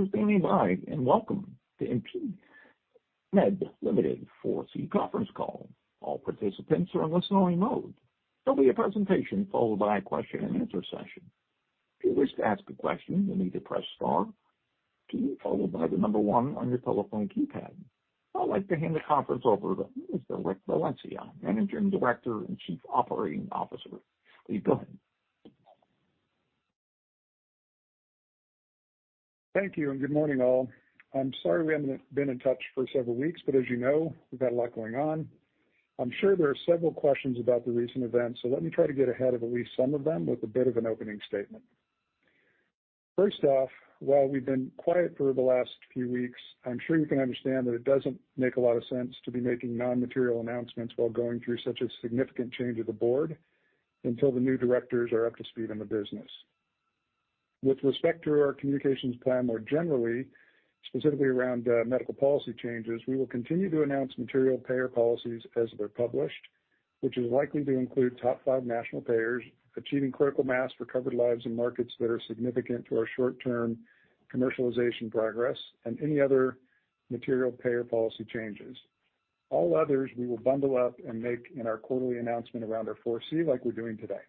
Thank you for standing by, and welcome to ImpediMed Limited 4C conference call. All participants are in listening mode. There'll be a presentation followed by a question and answer session. If you wish to ask a question, you'll need to press star two, followed by the number one on your telephone keypad. I'd like to hand the conference over to Mr. Rick Valencia, Managing Director and Chief Operating Officer. Please go ahead. Thank you, and good morning, all. I'm sorry we haven't been in touch for several weeks, but as you know, we've got a lot going on. I'm sure there are several questions about the recent events, so let me try to get ahead of at least some of them with a bit of an opening statement. First off, while we've been quiet for the last few weeks, I'm sure you can understand that it doesn't make a lot of sense to be making non-material announcements while going through such a significant change of the board until the new directors are up to speed on the business. With respect to our communications plan, more generally, specifically around medical policy changes, we will continue to announce material payer policies as they're published, which is likely to include top five national payers, achieving critical mass for covered lives in markets that are significant to our short-term commercialization progress, and any other material payer policy changes. All others, we will bundle up and make in our quarterly announcement around our 4C, like we're doing today.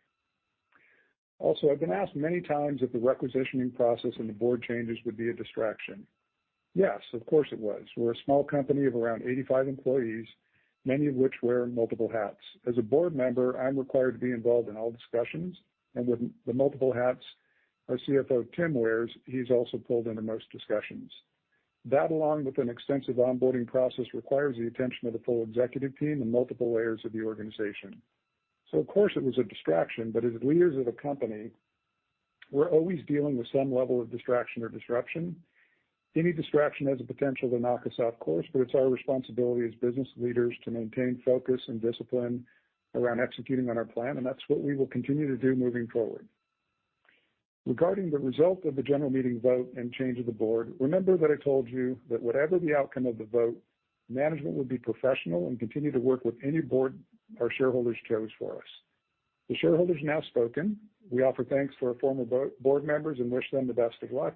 Also, I've been asked many times if the requisitioning process and the board changes would be a distraction. Yes, of course it was. We're a small company of around 85 employees, many of which wear multiple hats. As a board member, I'm required to be involved in all discussions, and with the multiple hats our CFO, Tim, wears, he's also pulled into most discussions. That, along with an extensive onboarding process, requires the attention of the full executive team and multiple layers of the organization. So of course, it was a distraction, but as leaders of the company, we're always dealing with some level of distraction or disruption. Any distraction has the potential to knock us off course, but it's our responsibility as business leaders to maintain focus and discipline around executing on our plan, and that's what we will continue to do moving forward. Regarding the result of the general meeting vote and change of the board, remember that I told you that whatever the outcome of the vote, management would be professional and continue to work with any board our shareholders chose for us. The shareholders have now spoken. We offer thanks to our former board members and wish them the best of luck.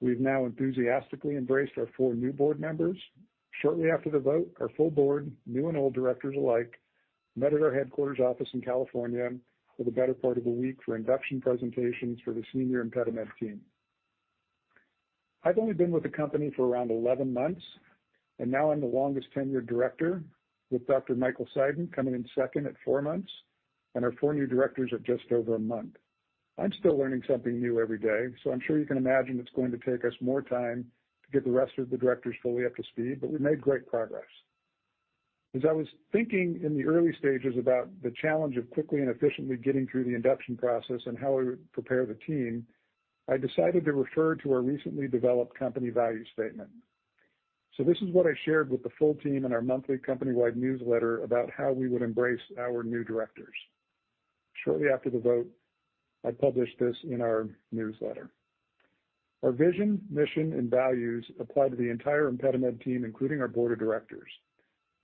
We've now enthusiastically embraced our four new board members. Shortly after the vote, our full board, new and old directors alike, met at our headquarters office in California for the better part of the week for induction presentations for the senior ImpediMed team. I've only been with the company for around 11 months, and now I'm the longest-tenured director, with Dr. Michael Seiden coming in second at four months, and our four new directors at just over a month. I'm still learning something new every day, so I'm sure you can imagine it's going to take us more time to get the rest of the directors fully up to speed, but we've made great progress. As I was thinking in the early stages about the challenge of quickly and efficiently getting through the induction process and how we would prepare the team, I decided to refer to our recently developed company value statement. So this is what I shared with the full team in our monthly company-wide newsletter about how we would embrace our new directors. Shortly after the vote, I published this in our newsletter. Our vision, mission, and values apply to the entire ImpediMed team, including our board of directors.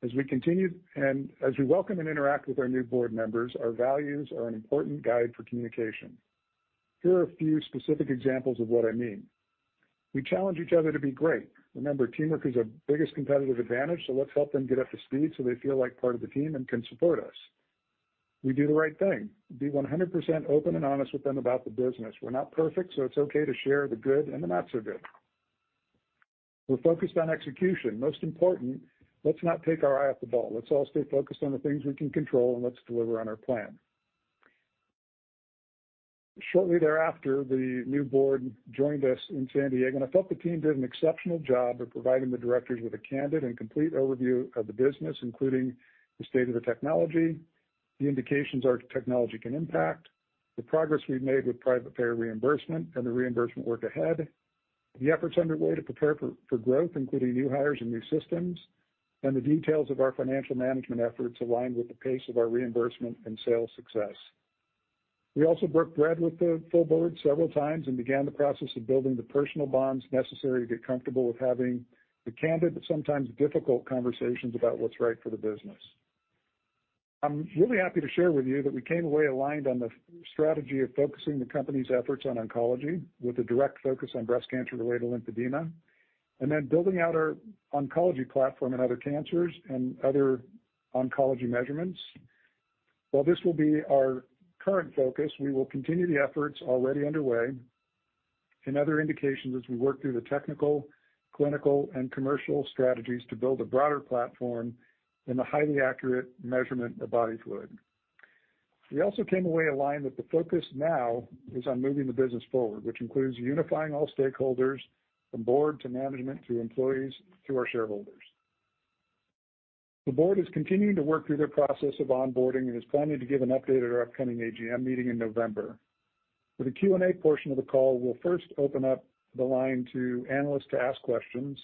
As we continue and as we welcome and interact with our new board members, our values are an important guide for communication. Here are a few specific examples of what I mean. We challenge each other to be great. Remember, teamwork is our biggest competitive advantage, so let's help them get up to speed so they feel like part of the team and can support us. We do the right thing. Be 100% open and honest with them about the business. We're not perfect, so it's okay to share the good and the not-so-good. We're focused on execution. Most important, let's not take our eye off the ball. Let's all stay focused on the things we can control, and let's deliver on our plan. Shortly thereafter, the new board joined us in San Diego, and I felt the team did an exceptional job of providing the directors with a candid and complete overview of the business, including the state of the technology, the indications our technology can impact, the progress we've made with private payer reimbursement and the reimbursement work ahead, the efforts underway to prepare for growth, including new hires and new systems, and the details of our financial management efforts aligned with the pace of our reimbursement and sales success. We also broke bread with the full board several times and began the process of building the personal bonds necessary to get comfortable with having the candid, but sometimes difficult conversations about what's right for the business. I'm really happy to share with you that we came away aligned on the focus strategy of focusing the company's efforts on oncology, with a direct focus on breast cancer-related lymphedema, and then building out our oncology platform in other cancers and other oncology measurements. While this will be our current focus, we will continue the efforts already underway in other indications as we work through the technical, clinical, and commercial strategies to build a broader platform in the highly accurate measurement of body fluid. We also came away aligned that the focus now is on moving the business forward, which includes unifying all stakeholders, from board to management to employees to our shareholders. The board is continuing to work through their process of onboarding and is planning to give an update at our upcoming AGM meeting in November. For the Q&A portion of the call, we'll first open up the line to analysts to ask questions,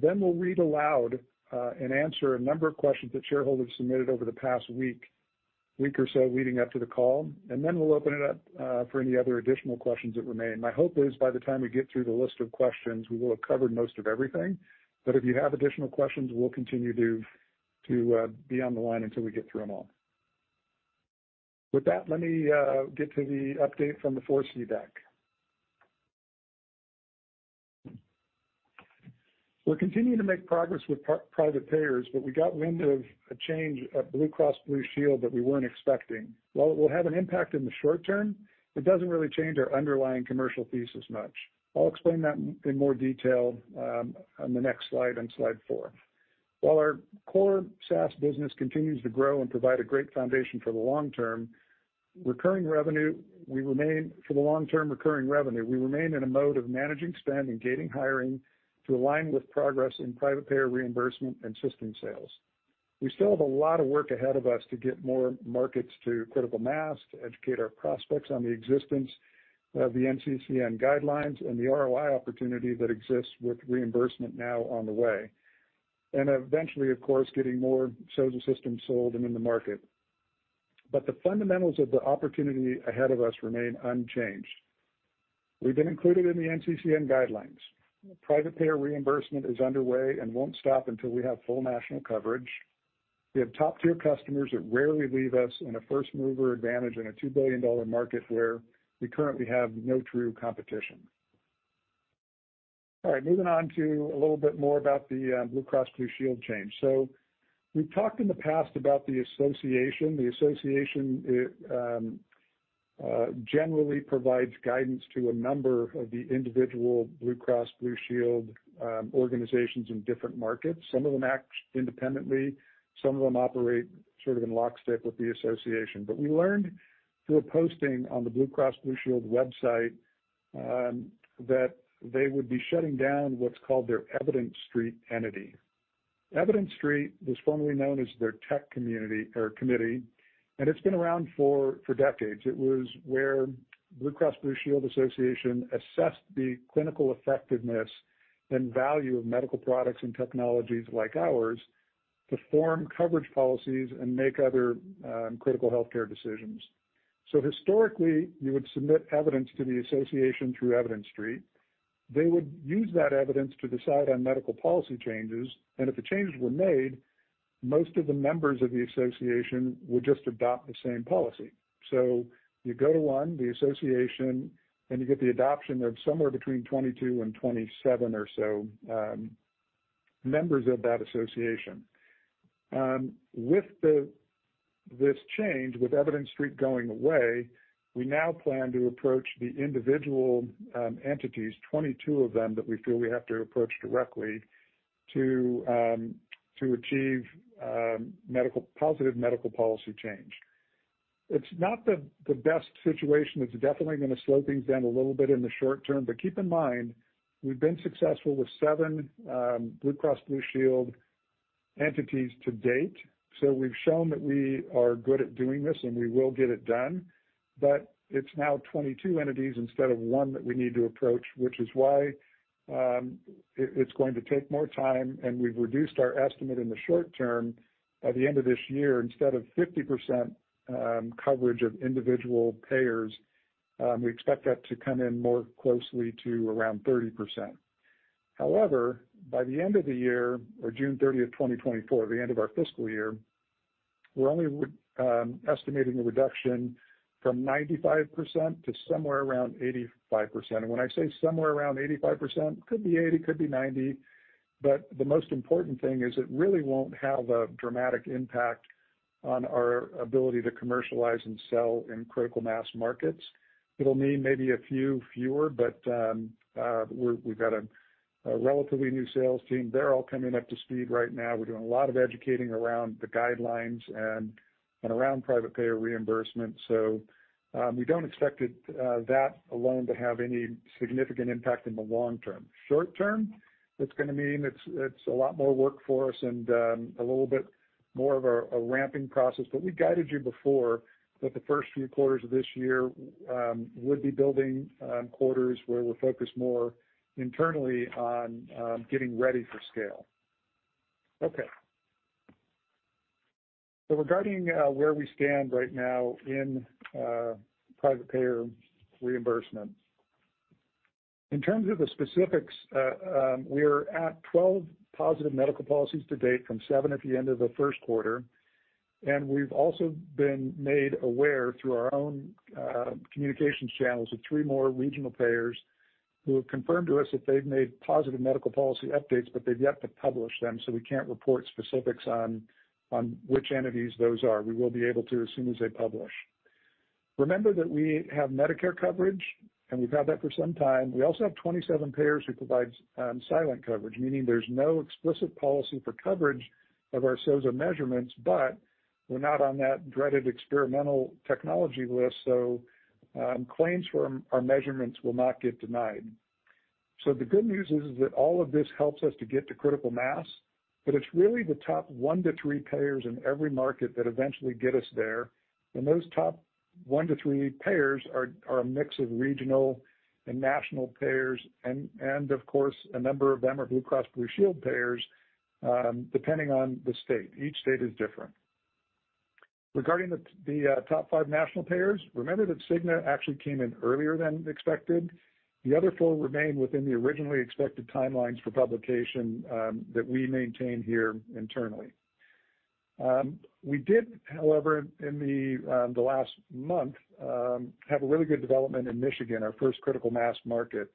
then we'll read aloud and answer a number of questions that shareholders submitted over the past week, week or so leading up to the call, and then we'll open it up for any other additional questions that remain. My hope is by the time we get through the list of questions, we will have covered most of everything. But if you have additional questions, we'll continue to, to, be on the line until we get through them all. With that, let me get to the update from the 4C deck. We're continuing to make progress with private payers, but we got wind of a change at Blue Cross Blue Shield that we weren't expecting. While it will have an impact in the short term, it doesn't really change our underlying commercial thesis much. I'll explain that in more detail on the next slide, on slide four. While our core SaaS business continues to grow and provide a great foundation for the long-term recurring revenue, we remain in a mode of managing spend and gating hiring to align with progress in private payer reimbursement and system sales. We still have a lot of work ahead of us to get more markets to critical mass, to educate our prospects on the existence of the NCCN guidelines and the ROI opportunity that exists with reimbursement now on the way. And eventually, of course, getting more SOZO systems sold and in the market. But the fundamentals of the opportunity ahead of us remain unchanged. We've been included in the NCCN Guidelines. Private payer reimbursement is underway and won't stop until we have full national coverage. We have top-tier customers that rarely leave us in a first-mover advantage in a $2 billion market where we currently have no true competition. All right, moving on to a little bit more about the Blue Cross Blue Shield change. So we've talked in the past about the association. The association, it generally provides guidance to a number of the individual Blue Cross Blue Shield organizations in different markets. Some of them act independently, some of them operate sort of in lockstep with the association. But we learned through a posting on the Blue Cross Blue Shield website that they would be shutting down what's called their Evidence Street entity. Evidence Street was formerly known as their tech committee, and it's been around for decades. It was where Blue Cross Blue Shield Association assessed the clinical effectiveness and value of medical products and technologies like ours, to form coverage policies and make other, critical healthcare decisions. So historically, you would submit evidence to the association through Evidence Street. They would use that evidence to decide on medical policy changes, and if the changes were made, most of the members of the association would just adopt the same policy. So you go to one, the association, and you get the adoption of somewhere between 22 and 27 or so, members of that association. With this change, with Evidence Street going away, we now plan to approach the individual entities, 22 of them, that we feel we have to approach directly to achieve positive medical policy change. It's not the best situation. It's definitely gonna slow things down a little bit in the short term, but keep in mind, we've been successful with seven Blue Cross Blue Shield entities to date, so we've shown that we are good at doing this, and we will get it done. But it's now 22 entities instead of one that we need to approach, which is why it's going to take more time, and we've reduced our estimate in the short term. By the end of this year, instead of 50%, coverage of individual payers, we expect that to come in more closely to around 30%. However, by the end of the year, or June 30, 2024, the end of our fiscal year, we're only estimating a reduction from 95% to somewhere around 85%. And when I say somewhere around 85%, could be 80, could be 90, but the most important thing is it really won't have a dramatic impact on our ability to commercialize and sell in critical mass markets. It'll mean maybe a few fewer, but we've got a relatively new sales team. They're all coming up to speed right now. We're doing a lot of educating around the guidelines and around private payer reimbursement. So, we don't expect it, that alone to have any significant impact in the long term. Short term, it's gonna mean it's a lot more work for us and a little bit more of a ramping process. But we guided you before that the first few quarters of this year would be building quarters where we're focused more internally on getting ready for scale. Okay. So regarding where we stand right now in private payer reimbursement. In terms of the specifics, we're at 12 positive medical policies to date, from seven at the end of the first quarter. We've also been made aware, through our own communications channels, of three more regional payers who have confirmed to us that they've made positive medical policy updates, but they've yet to publish them, so we can't report specifics on, on which entities those are. We will be able to as soon as they publish. Remember that we have Medicare coverage, and we've had that for some time. We also have 27 payers who provide silent coverage, meaning there's no explicit policy for coverage of our SOZO measurements, but we're not on that dreaded experimental technology list, so claims from our measurements will not get denied. The good news is that all of this helps us to get to critical mass, but it's really the top 1-3 payers in every market that eventually get us there. Those top 1-3 payers are a mix of regional and national payers and, of course, a number of them are Blue Cross Blue Shield payers, depending on the state. Each state is different. Regarding the top 5 national payers, remember that Cigna actually came in earlier than expected. The other four remain within the originally expected timelines for publication that we maintain here internally. We did, however, in the last month, have a really good development in Michigan, our first critical mass market.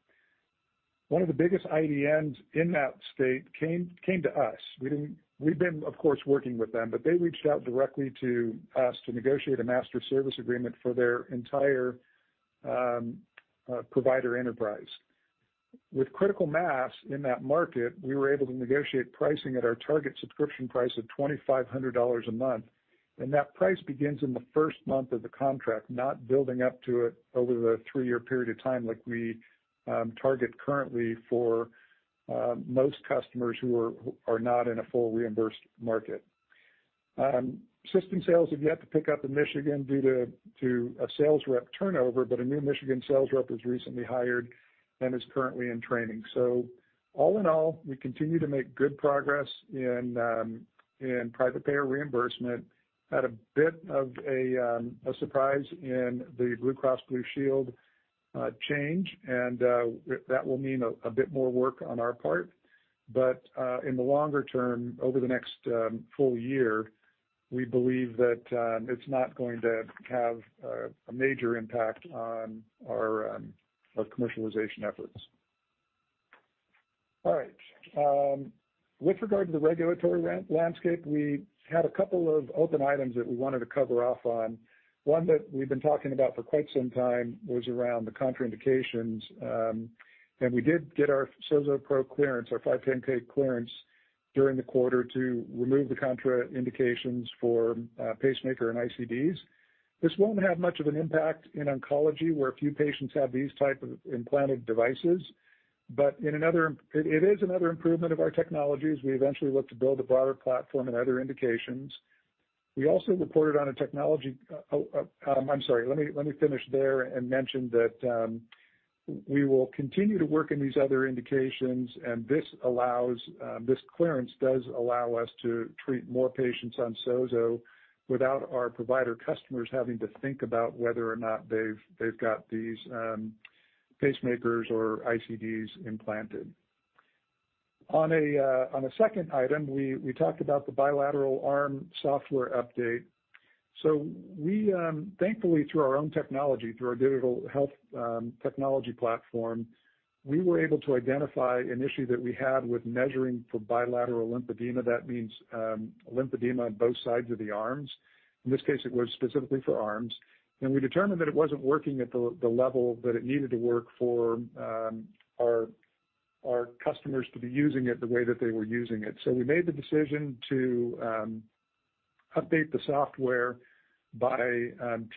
One of the biggest IDNs in that state came to us. We've been, of course, working with them, but they reached out directly to us to negotiate a master service agreement for their entire provider enterprise. With critical mass in that market, we were able to negotiate pricing at our target subscription price of $2,500 a month, and that price begins in the first month of the contract, not building up to it over the 3-year period of time, like we target currently for most customers who are not in a full reimbursed market. System sales have yet to pick up in Michigan due to a sales rep turnover, but a new Michigan sales rep was recently hired and is currently in training. So all in all, we continue to make good progress in private payer reimbursement. Had a bit of a surprise in the Blue Cross Blue Shield change, and that will mean a bit more work on our part. But, in the longer term, over the next, full year, we believe that, it's not going to have, a major impact on our, our commercialization efforts. All right. With regard to the regulatory landscape, we had a couple of open items that we wanted to cover off on. One that we've been talking about for quite some time was around the contraindications, and we did get our SOZO Pro clearance, our 510(k) clearance, during the quarter to remove the contraindications for, pacemaker and ICDs. This won't have much of an impact in oncology, where a few patients have these type of implanted devices, but it is another improvement of our technologies. We eventually look to build a broader platform and other indications. We also reported on a technology. I'm sorry, let me finish there and mention that we will continue to work in these other indications, and this allows, this clearance does allow us to treat more patients on SOZO without our provider customers having to think about whether or not they've got these pacemakers or ICDs implanted. On a second item, we talked about the bilateral arm software update. So, thankfully, through our own technology, through our digital health technology platform, we were able to identify an issue that we had with measuring for bilateral lymphedema. That means lymphedema on both sides of the arms. In this case, it was specifically for arms. And we determined that it wasn't working at the level that it needed to work for our customers to be using it the way that they were using it. So we made the decision to update the software by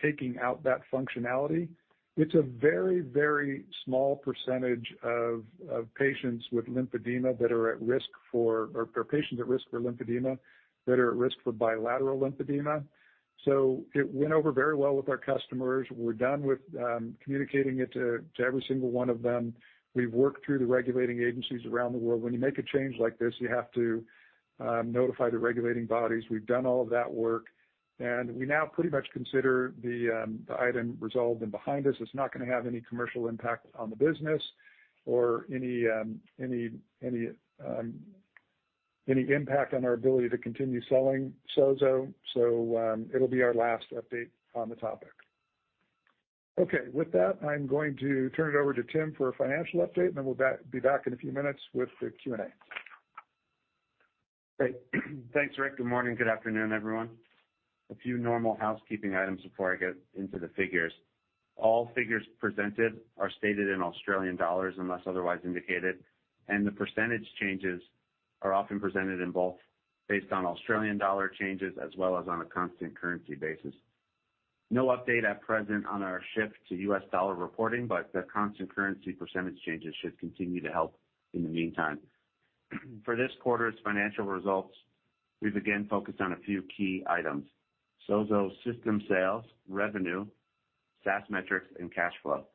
taking out that functionality. It's a very, very small percentage of patients with lymphedema that are at risk for, or patients at risk for lymphedema, that are at risk for bilateral lymphedema. So it went over very well with our customers. We're done with communicating it to every single one of them. We've worked through the regulating agencies around the world. When you make a change like this, you have to notify the regulating bodies. We've done all of that work, and we now pretty much consider the item resolved and behind us. It's not going to have any commercial impact on the business or any impact on our ability to continue selling SOZO, so, it'll be our last update on the topic. Okay. With that, I'm going to turn it over to Tim for a financial update, and then we'll be back in a few minutes with the Q&A. Great. Thanks, Rick. Good morning, good afternoon, everyone. A few normal housekeeping items before I get into the figures. All figures presented are stated in Australian dollars, unless otherwise indicated, and the percentage changes are often presented in both, based on Australian dollar changes as well as on a constant currency basis. No update at present on our shift to U.S. dollar reporting, but the constant currency percentage changes should continue to help in the meantime. For this quarter's financial results, we've again focused on a few key items: SOZO system sales, revenue, SaaS metrics, and cash flow.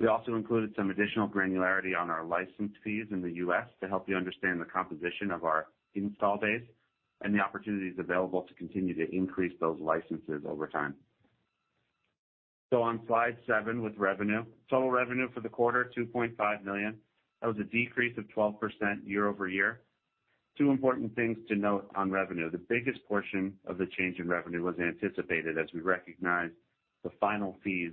We also included some additional granularity on our license fees in the U.S. to help you understand the composition of our install base and the opportunities available to continue to increase those licenses over time. So on slide seven, with revenue. Total revenue for the quarter, 2.5 million. That was a decrease of 12% year-over-year. Two important things to note on revenue. The biggest portion of the change in revenue was anticipated as we recognized the final fees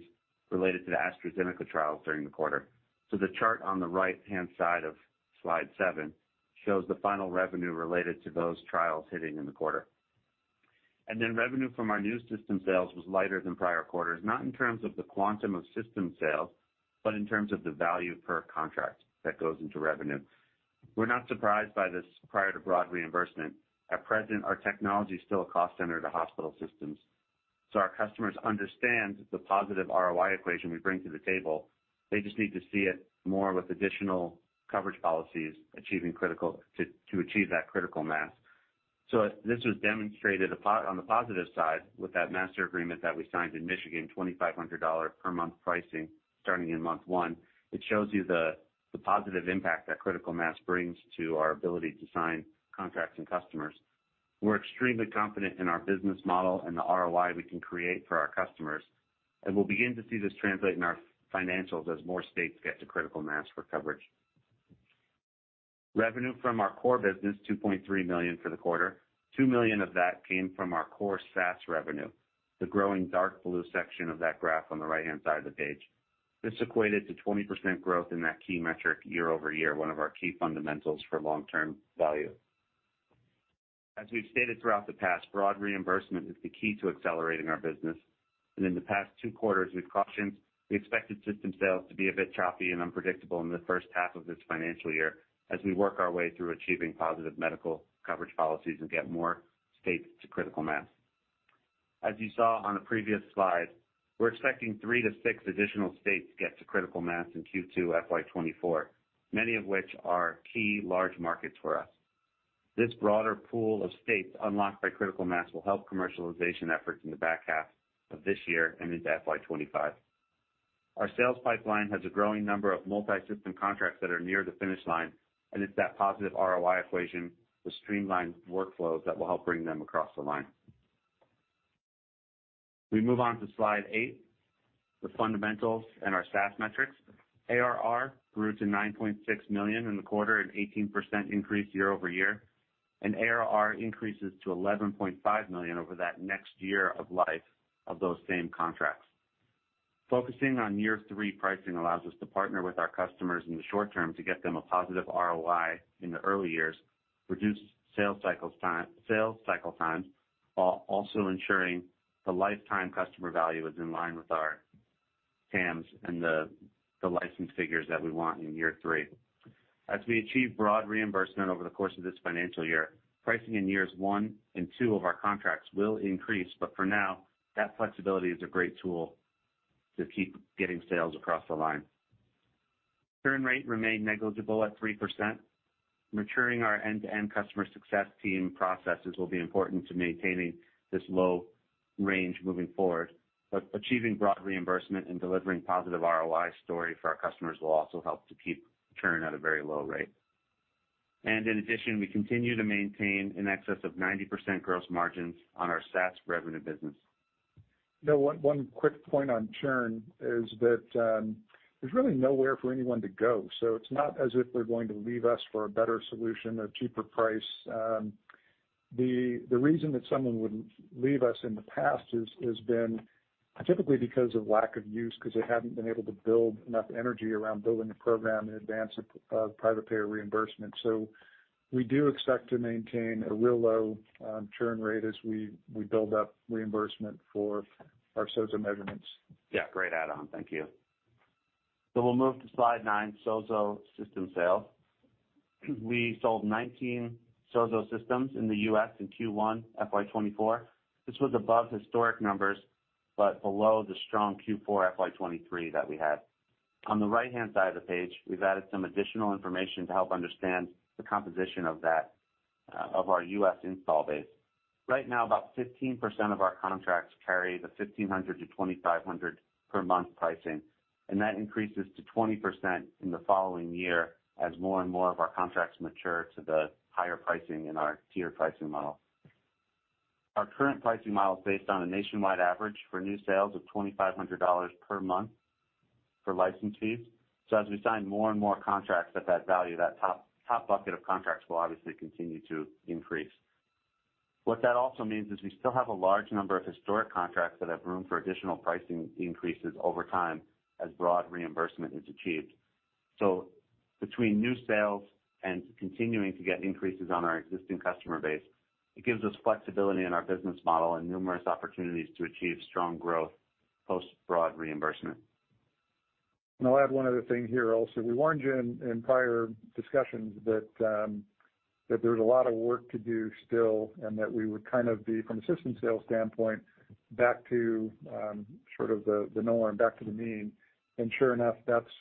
related to the AstraZeneca trials during the quarter. So the chart on the right-hand side of slide 7 shows the final revenue related to those trials hitting in the quarter. And then revenue from our new system sales was lighter than prior quarters, not in terms of the quantum of system sales, but in terms of the value per contract that goes into revenue. We're not surprised by this prior to broad reimbursement. At present, our technology is still a cost center to hospital systems. So our customers understand the positive ROI equation we bring to the table. They just need to see it more with additional coverage policies, achieving critical mass to achieve that critical mass. So this was demonstrated a point on the positive side with that master agreement that we signed in Michigan, $2,500 per month pricing starting in month one. It shows you the positive impact that critical mass brings to our ability to sign contracts and customers. We're extremely confident in our business model and the ROI we can create for our customers, and we'll begin to see this translate in our financials as more states get to critical mass for coverage. Revenue from our core business, 2.3 million for the quarter. $2 million of that came from our core SaaS revenue, the growing dark blue section of that graph on the right-hand side of the page. This equated to 20% growth in that key metric year-over-year, one of our key fundamentals for long-term value. As we've stated throughout the past, broad reimbursement is the key to accelerating our business, and in the past 2 quarters, we've cautioned we expected system sales to be a bit choppy and unpredictable in the first half of this financial year as we work our way through achieving positive medical coverage policies and get more states to critical mass. As you saw on the previous slide, we're expecting 3-6 additional states to get to critical mass in Q2 FY 2024, many of which are key large markets for us. This broader pool of states unlocked by critical mass will help commercialization efforts in the back half of this year and into FY 2025. Our sales pipeline has a growing number of multi-system contracts that are near the finish line, and it's that positive ROI equation with streamlined workflows that will help bring them across the line. We move on to slide 8, the fundamentals and our SaaS metrics. ARR grew to 9.6 million in the quarter, an 18% increase year-over-year, and ARR increases to 11.5 million over that next year of life of those same contracts. Focusing on year three pricing allows us to partner with our customers in the short term to get them a positive ROI in the early years, reduce sales cycle times, while also ensuring the lifetime customer value is in line with our TAMs and the license figures that we want in year three. As we achieve broad reimbursement over the course of this financial year, pricing in years one and two of our contracts will increase, but for now, that flexibility is a great tool to keep getting sales across the line. Churn rate remained negligible at 3%. Maturing our end-to-end customer success team processes will be important to maintaining this low range moving forward, but achieving broad reimbursement and delivering positive ROI story for our customers will also help to keep churn at a very low rate. In addition, we continue to maintain in excess of 90% gross margins on our SaaS revenue business. Yeah, one quick point on churn is that, there's really nowhere for anyone to go, so it's not as if they're going to leave us for a better solution or cheaper price. The reason that someone would leave us in the past is, has been typically because of lack of use, because they haven't been able to build enough energy around building the program in advance of, of private payer reimbursement. So we do expect to maintain a real low, churn rate as we, we build up reimbursement for our SOZO measurements. Yeah, great add-on. Thank you. So we'll move to slide nine, SOZO system sales. We sold 19 SOZO systems in the U.S. in Q1 FY 2024. This was above historic numbers, but below the strong Q4 FY 2023 that we had. On the right-hand side of the page, we've added some additional information to help understand the composition of that, of our U.S. install base. Right now, about 15% of our contracts carry the $1,500-$2,500 per month pricing, and that increases to 20% in the following year as more and more of our contracts mature to the higher pricing in our tier pricing model. Our current pricing model is based on a nationwide average for new sales of $2,500 per month for license fees. So as we sign more and more contracts at that value, that top, top bucket of contracts will obviously continue to increase. What that also means is we still have a large number of historic contracts that have room for additional pricing increases over time as broad reimbursement is achieved. So between new sales and continuing to get increases on our existing customer base, it gives us flexibility in our business model and numerous opportunities to achieve strong growth post-broad reimbursement. I'll add one other thing here also. We warned you in prior discussions that there's a lot of work to do still, and that we would kind of be, from a system sales standpoint, back to sort of the norm, back to the mean. Sure enough, that's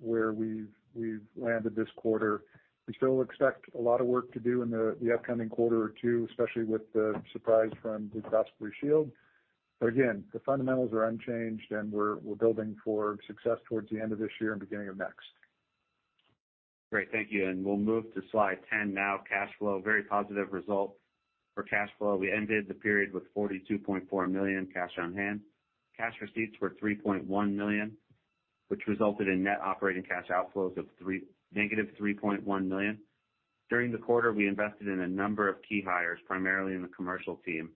where we've landed this quarter. We still expect a lot of work to do in the upcoming quarter or two, especially with the surprise from the Blue Cross Blue Shield. But again, the fundamentals are unchanged, and we're building for success towards the end of this year and beginning of next. Great, thank you. We'll move to slide 10 now. Cash flow, very positive result for cash flow. We ended the period with 42.4 million cash on hand. Cash receipts were 3.1 million, which resulted in net operating cash outflows of negative 3.1 million. During the quarter, we invested in a number of key hires, primarily in the commercial team,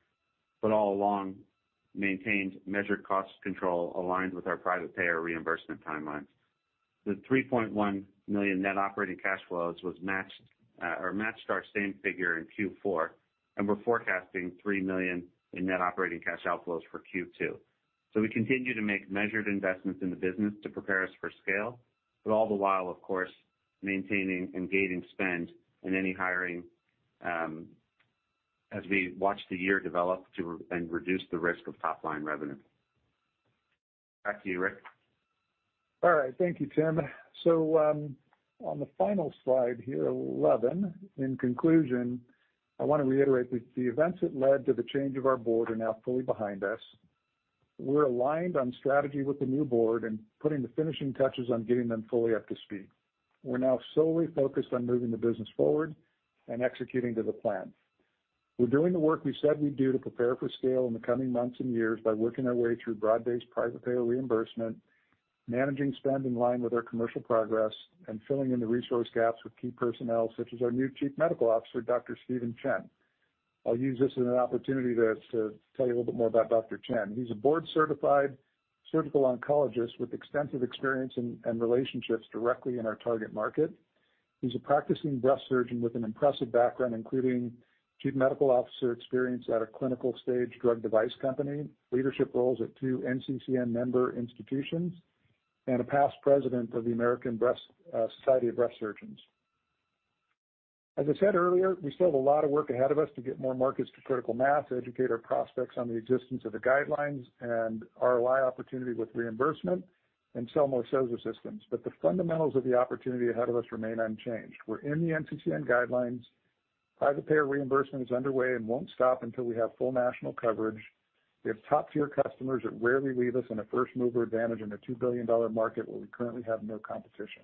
but all along maintained measured cost control aligned with our private payer reimbursement timelines. The 3.1 million net operating cash flows was matched or matched our same figure in Q4, and we're forecasting 3 million in net operating cash outflows for Q2. So we continue to make measured investments in the business to prepare us for scale, but all the while, of course, maintaining and gating spend in any hiring, as we watch the year develop, too, and reduce the risk of top-line revenue. Back to you, Rick. All right. Thank you, Tim. So, on the final slide here, 11. In conclusion, I want to reiterate that the events that led to the change of our board are now fully behind us. We're aligned on strategy with the new board and putting the finishing touches on getting them fully up to speed. We're now solely focused on moving the business forward and executing to the plan. We're doing the work we said we'd do to prepare for scale in the coming months and years by working our way through broad-based private payer reimbursement, managing spend in line with our commercial progress, and filling in the resource gaps with key personnel such as our new Chief Medical Officer, Dr. Steven Chen. I'll use this as an opportunity to tell you a little bit more about Dr. Chen. He's a board-certified surgical oncologist with extensive experience in and relationships directly in our target market. He's a practicing breast surgeon with an impressive background, including chief medical officer experience at a clinical stage drug device company, leadership roles at two NCCN member institutions, and a past president of the American Society of Breast Surgeons. As I said earlier, we still have a lot of work ahead of us to get more markets to critical mass, educate our prospects on the existence of the guidelines and our ROI opportunity with reimbursement and sell more sales assistance. But the fundamentals of the opportunity ahead of us remain unchanged. We're in the NCCN guidelines. Private payer reimbursement is underway and won't stop until we have full national coverage. We have top-tier customers that rarely leave us in a first-mover advantage in a $2 billion market where we currently have no competition.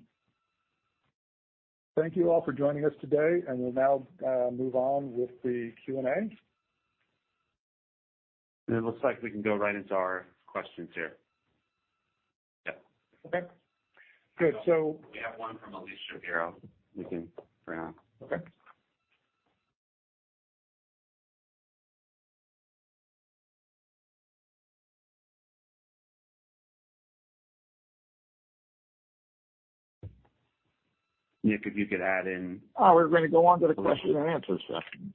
Thank you all for joining us today, and we'll now move on with the Q&A. It looks like we can go right into our questions here. Yep. Okay. Good, so- We have one from Elyse Shapiro. We can bring on. Okay. Nick, if you could add in. We're going to go on to the question and answer session.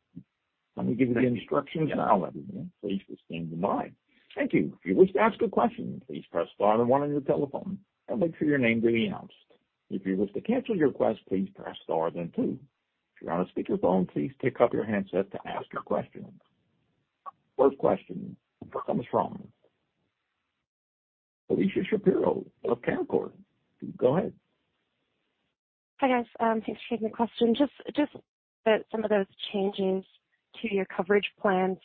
Let me give you the instructions now, everyone. Please stand by. Thank you. If you wish to ask a question, please press star then one on your telephone and wait for your name to be announced. If you wish to cancel your request, please press star then two. If you're on a speakerphone, please pick up your handset to ask your question. First question comes from Elyse Shapiro of Canaccord. Go ahead. Hi, guys, thanks for taking the question. Just, just some of those changes to your coverage plans,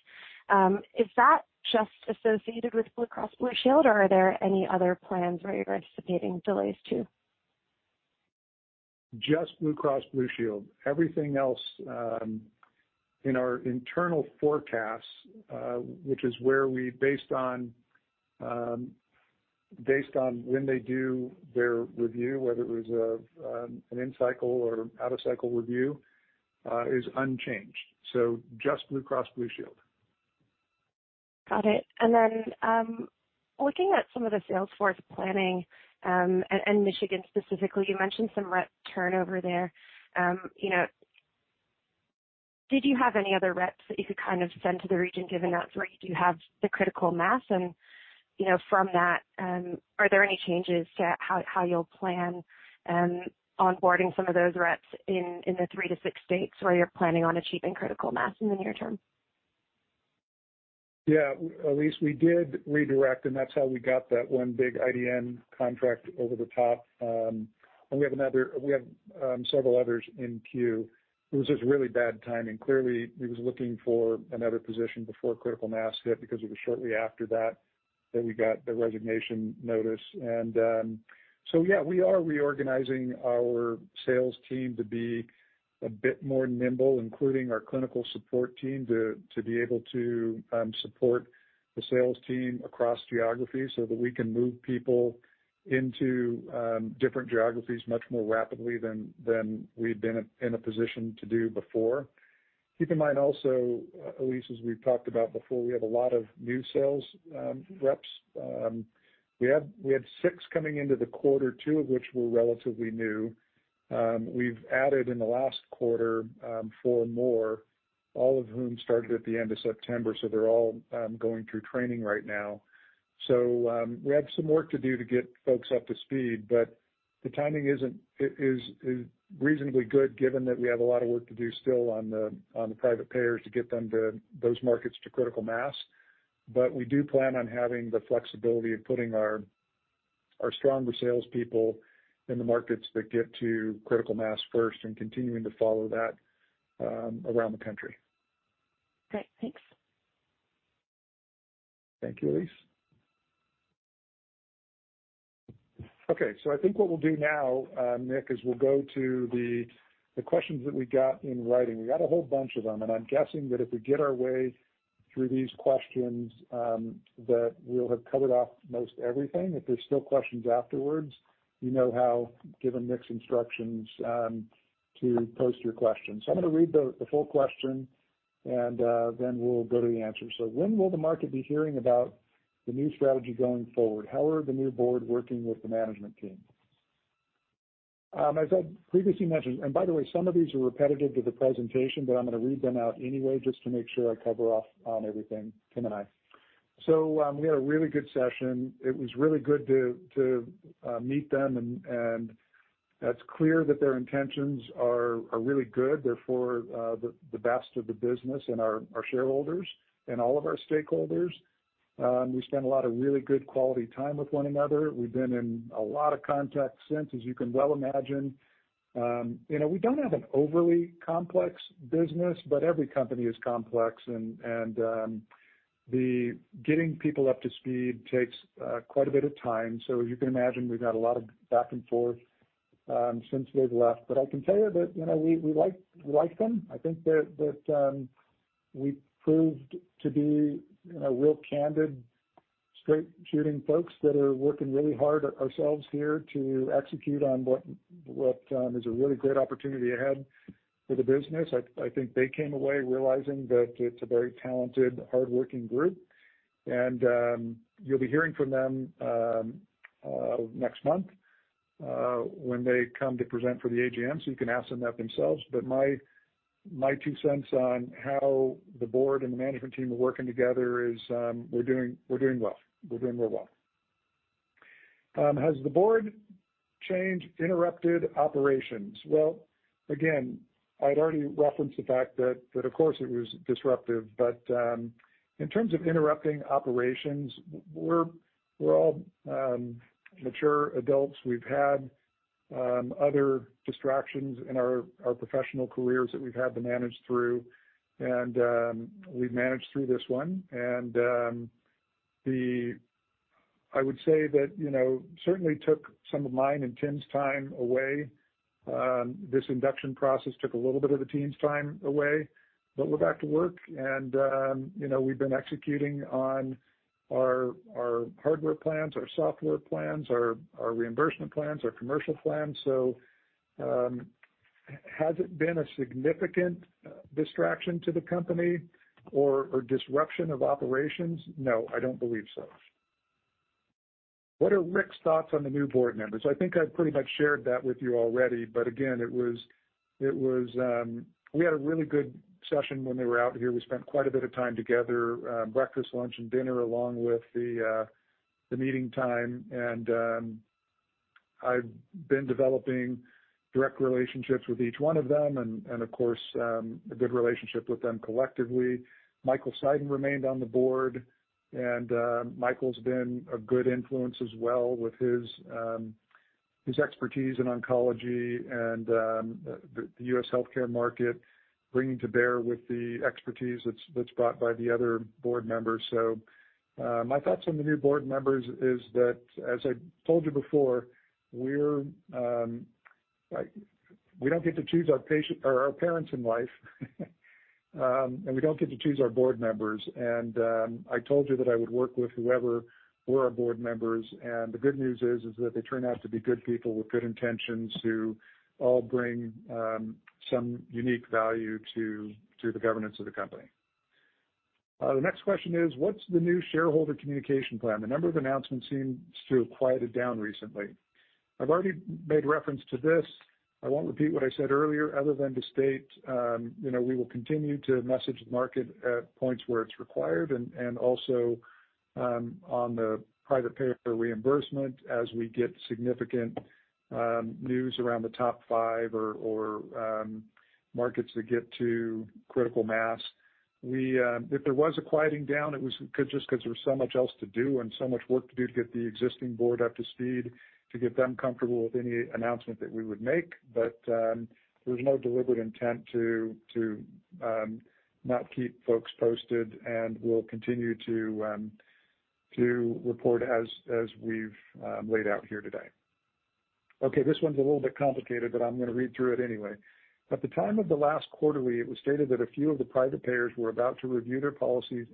is that just associated with Blue Cross Blue Shield, or are there any other plans where you're anticipating delays, too? Just Blue Cross Blue Shield. Everything else, in our internal forecast, which is based on when they do their review, whether it was an in-cycle or out-of-cycle review, is unchanged. So just Blue Cross Blue Shield. Got it. Then, looking at some of the sales force planning, and Michigan specifically, you mentioned some rep turnover there. You know, did you have any other reps that you could kind of send to the region, given that's where you do have the critical mass? And, you know, from that, are there any changes to how you'll plan onboarding some of those reps in the 3-6 states where you're planning on achieving critical mass in the near term? Yeah. At least we did redirect, and that's how we got that one big IDN contract over the top. And we have several others in queue. It was just really bad timing. Clearly, he was looking for another position before critical mass hit because it was shortly after that that we got the resignation notice. And so yeah, we are reorganizing our sales team to be a bit more nimble, including our clinical support team, to be able to support the sales team across geographies so that we can move people into different geographies much more rapidly than we've been in a position to do before. Keep in mind also, Elyse, as we've talked about before, we have a lot of new sales reps. We had six coming into the quarter, two of which were relatively new. We've added in the last quarter four more, all of whom started at the end of September, so they're all going through training right now. So, we have some work to do to get folks up to speed, but the timing isn't - is reasonably good, given that we have a lot of work to do still on the private payers to get them to those markets to critical mass. But we do plan on having the flexibility of putting our stronger salespeople in the markets that get to critical mass first and continuing to follow that around the country. Great. Thanks. Thank you, Elyse. Okay, so I think what we'll do now, Nick, is we'll go to the questions that we got in writing. We got a whole bunch of them, and I'm guessing that if we get our way through these questions, that we'll have covered off most everything. If there's still questions afterwards, you know how, given Nick's instructions, to post your questions. So I'm going to read the full question and then we'll go to the answer. So when will the market be hearing about the new strategy going forward? How are the new board working with the management team? As I previously mentioned. And by the way, some of these are repetitive to the presentation, but I'm going to read them out anyway just to make sure I cover off on everything, Tim and I. So, we had a really good session. It was really good to meet them, and it's clear that their intentions are really good. They're for the best of the business and our shareholders and all of our stakeholders. We spent a lot of really good quality time with one another. We've been in a lot of contact since, as you can well imagine. You know, we don't have an overly complex business, but every company is complex and the getting people up to speed takes quite a bit of time. So as you can imagine, we've had a lot of back and forth since they've left. But I can tell you that, you know, we like them. I think that we proved to be, you know, real candid, straight-shooting folks that are working really hard ourselves here to execute on what is a really great opportunity ahead for the business. I think they came away realizing that it's a very talented, hardworking group, and you'll be hearing from them next month when they come to present for the AGM, so you can ask them that themselves. But my two cents on how the board and the management team are working together is we're doing well. We're doing real well. Has the board change interrupted operations? Well, again, I'd already referenced the fact that of course it was disruptive, but in terms of interrupting operations, we're all mature adults. We've had other distractions in our professional careers that we've had to manage through, and we've managed through this one. I would say that, you know, it certainly took some of mine and Tim's time away. This induction process took a little bit of the team's time away, but we're back to work and, you know, we've been executing on our hardware plans, our software plans, our reimbursement plans, our commercial plans. So, has it been a significant distraction to the company or disruption of operations? No, I don't believe so. What are Rick's thoughts on the new board members? I think I've pretty much shared that with you already, but again, it was. We had a really good session when they were out here. We spent quite a bit of time together, breakfast, lunch, and dinner, along with the meeting time. I've been developing direct relationships with each one of them and, of course, a good relationship with them collectively. Michael Seiden remained on the board, and Michael's been a good influence as well with his expertise in oncology and the U.S. healthcare market, bringing to bear the expertise that's brought by the other board members. My thoughts on the new board members is that, as I told you before, we're like, we don't get to choose our patients or our parents in life, and we don't get to choose our board members. And, I told you that I would work with whoever were our board members, and the good news is, is that they turn out to be good people with good intentions who all bring, some unique value to, to the governance of the company. The next question is: What's the new shareholder communication plan? The number of announcements seems to have quieted down recently. I've already made reference to this. I won't repeat what I said earlier, other than to state, you know, we will continue to message the market at points where it's required, and, also, on the private payer reimbursement as we get significant, news around the top five or, or, markets that get to critical mass. We, if there was a quieting down, it was just 'cause there was so much else to do and so much work to do to get the existing board up to speed, to get them comfortable with any announcement that we would make. But, there's no deliberate intent to not keep folks posted, and we'll continue to report as we've laid out here today. Okay, this one's a little bit complicated, but I'm gonna read through it anyway. At the time of the last quarterly, it was stated that a few of the private payers were about to review their policies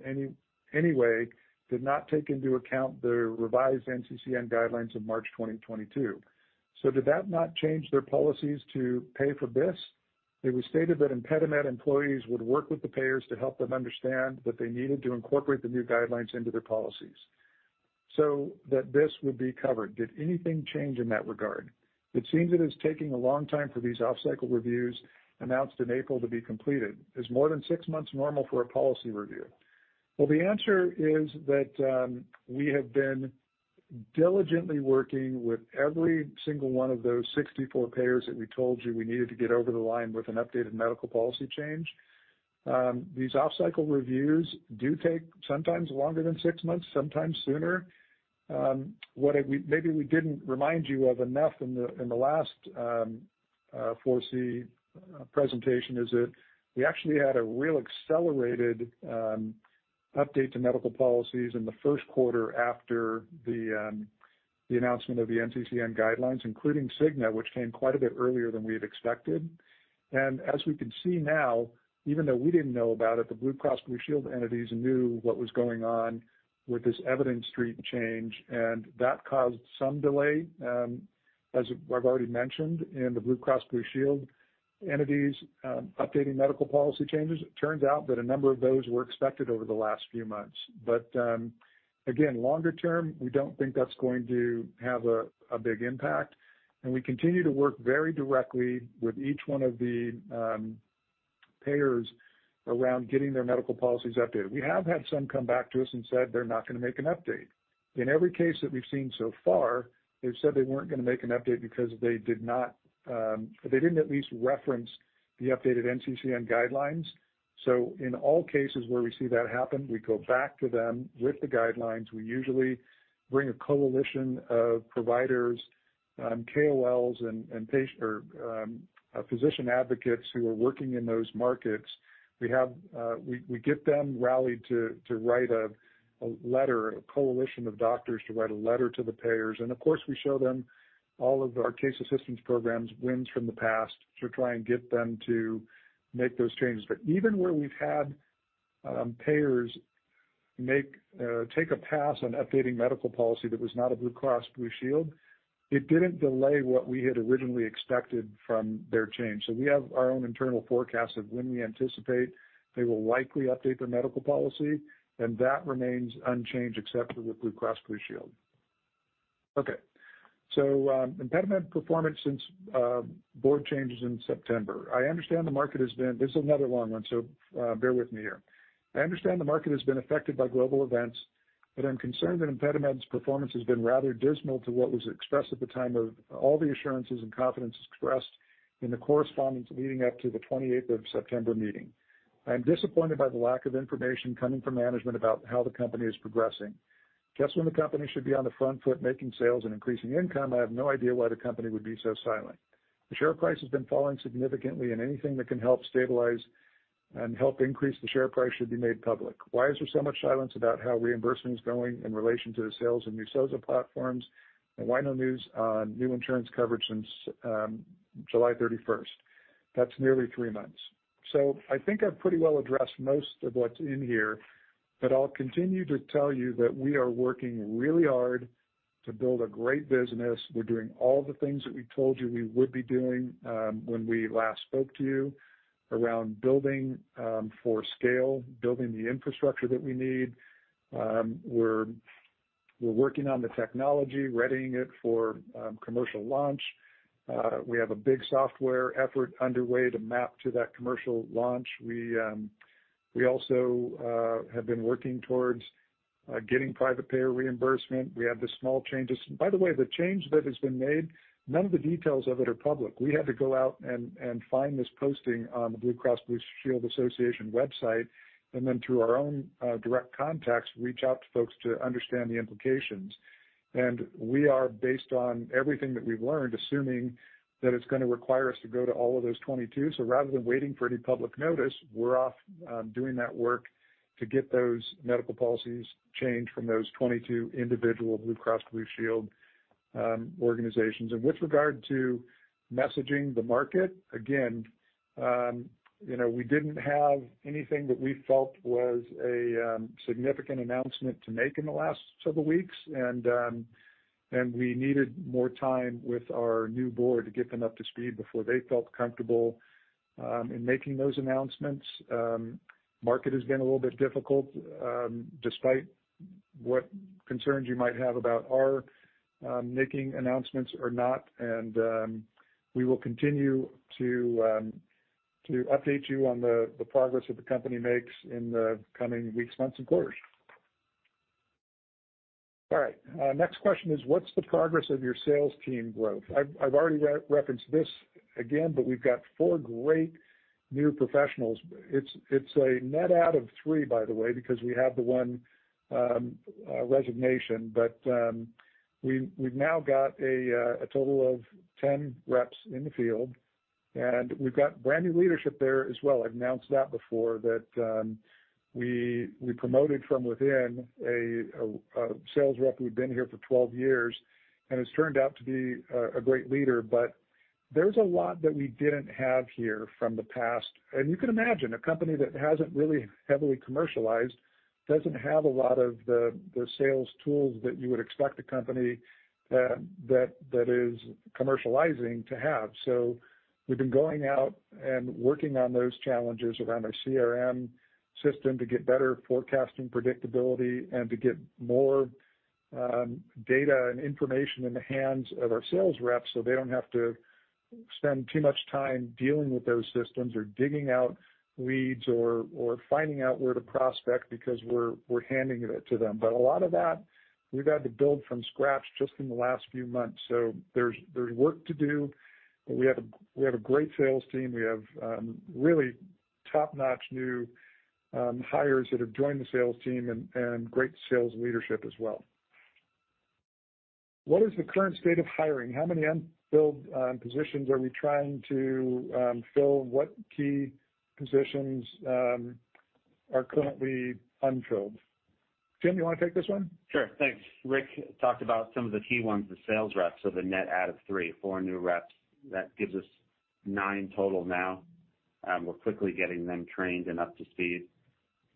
anyway, did not take into account the revised NCCN Guidelines of March 2022. So did that not change their policies to pay for this? It was stated that ImpediMed employees would work with the payers to help them understand that they needed to incorporate the new guidelines into their policies so that this would be covered. Did anything change in that regard? It seems it is taking a long time for these off-cycle reviews, announced in April, to be completed. Is more than six months normal for a policy review? Well, the answer is that, we have been diligently working with every single one of those 64 payers that we told you we needed to get over the line with an updated medical policy change. These off-cycle reviews do take sometimes longer than six months, sometimes sooner. What maybe we didn't remind you of enough in the last 4C presentation is that we actually had a real accelerated update to medical policies in the first quarter after the announcement of the NCCN guidelines, including Cigna, which came quite a bit earlier than we had expected. And as we can see now, even though we didn't know about it, the Blue Cross Blue Shield entities knew what was going on with this Evidence Street change, and that caused some delay, as I've already mentioned, in the Blue Cross Blue Shield entities' updating medical policy changes. It turns out that a number of those were expected over the last few months. But, again, longer term, we don't think that's going to have a big impact, and we continue to work very directly with each one of the payers around getting their medical policies updated. We have had some come back to us and said they're not gonna make an update. In every case that we've seen so far, they've said they weren't gonna make an update because they did not, they didn't at least reference the updated NCCN Guidelines. So in all cases where we see that happen, we go back to them with the guidelines. We usually bring a coalition of providers, KOLs and patient or physician advocates who are working in those markets. We get them rallied to write a letter, a coalition of doctors to write a letter to the payers. And of course, we show them all of our case assistance programs, wins from the past, to try and get them to make those changes. But even where we've had payers take a pass on updating medical policy that was not a Blue Cross Blue Shield, it didn't delay what we had originally expected from their change. So we have our own internal forecast of when we anticipate they will likely update their medical policy, and that remains unchanged except for the Blue Cross Blue Shield. Okay. So, ImpediMed performance since board changes in September. I understand the market has been. This is another long one, so, bear with me here. I understand the market has been affected by global events, but I'm concerned that ImpediMed's performance has been rather dismal to what was expressed at the time of all the assurances and confidence expressed in the correspondence leading up to the twenty-eighth of September meeting. I'm disappointed by the lack of information coming from management about how the company is progressing. Just when the company should be on the front foot making sales and increasing income, I have no idea why the company would be so silent. The share price has been falling significantly, and anything that can help stabilize and help increase the share price should be made public. Why is there so much silence about how reimbursement is going in relation to the sales and new SOZO platforms? And why no news on new insurance coverage since July thirty-first? That's nearly three months. So I think I've pretty well addressed most of what's in here, but I'll continue to tell you that we are working really hard to build a great business. We're doing all the things that we told you we would be doing when we last spoke to you around building for scale, building the infrastructure that we need. We're working on the technology, readying it for commercial launch. We have a big software effort underway to map to that commercial launch. We also have been working towards getting private payer reimbursement. We have the small changes. By the way, the change that has been made, none of the details of it are public. We had to go out and find this posting on the Blue Cross Blue Shield Association website, and then through our own direct contacts, reach out to folks to understand the implications. We are, based on everything that we've learned, assuming that it's gonna require us to go to all of those 22. So rather than waiting for any public notice, we're off doing that work to get those medical policies changed from those 22 individual Blue Cross Blue Shield organizations. And with regard to messaging the market, again, you know, we didn't have anything that we felt was a significant announcement to make in the last several weeks. And we needed more time with our new board to get them up to speed before they felt comfortable in making those announcements. Market has been a little bit difficult, despite what concerns you might have about our making announcements or not, and we will continue to update you on the progress that the company makes in the coming weeks, months, and quarters. All right. Next question is, what's the progress of your sales team growth? I've already referenced this again, but we've got four great new professionals. It's a net out of three, by the way, because we had the one resignation. But we've now got a total of 10 reps in the field, and we've got brand new leadership there as well. I've announced that before, that we promoted from within a sales rep who'd been here for 12 years and has turned out to be a great leader. But there's a lot that we didn't have here from the past. And you can imagine, a company that hasn't really heavily commercialized doesn't have a lot of the sales tools that you would expect a company that is commercializing to have. So we've been going out and working on those challenges around our CRM system to get better forecasting predictability, and to get more data and information in the hands of our sales reps, so they don't have to spend too much time dealing with those systems or digging out leads or finding out where to prospect because we're handing it to them. But a lot of that, we've had to build from scratch just in the last few months. So there's work to do, but we have a great sales team. We have really top-notch new hires that have joined the sales team and, and great sales leadership as well. What is the current state of hiring? How many unfilled positions are we trying to fill? What key positions are currently unfilled? Tim, you want to take this one? Sure. Thanks. Rick talked about some of the key ones, the sales reps, so the net out of 3 or 4 new reps. That gives us 9 total now, and we're quickly getting them trained and up to speed.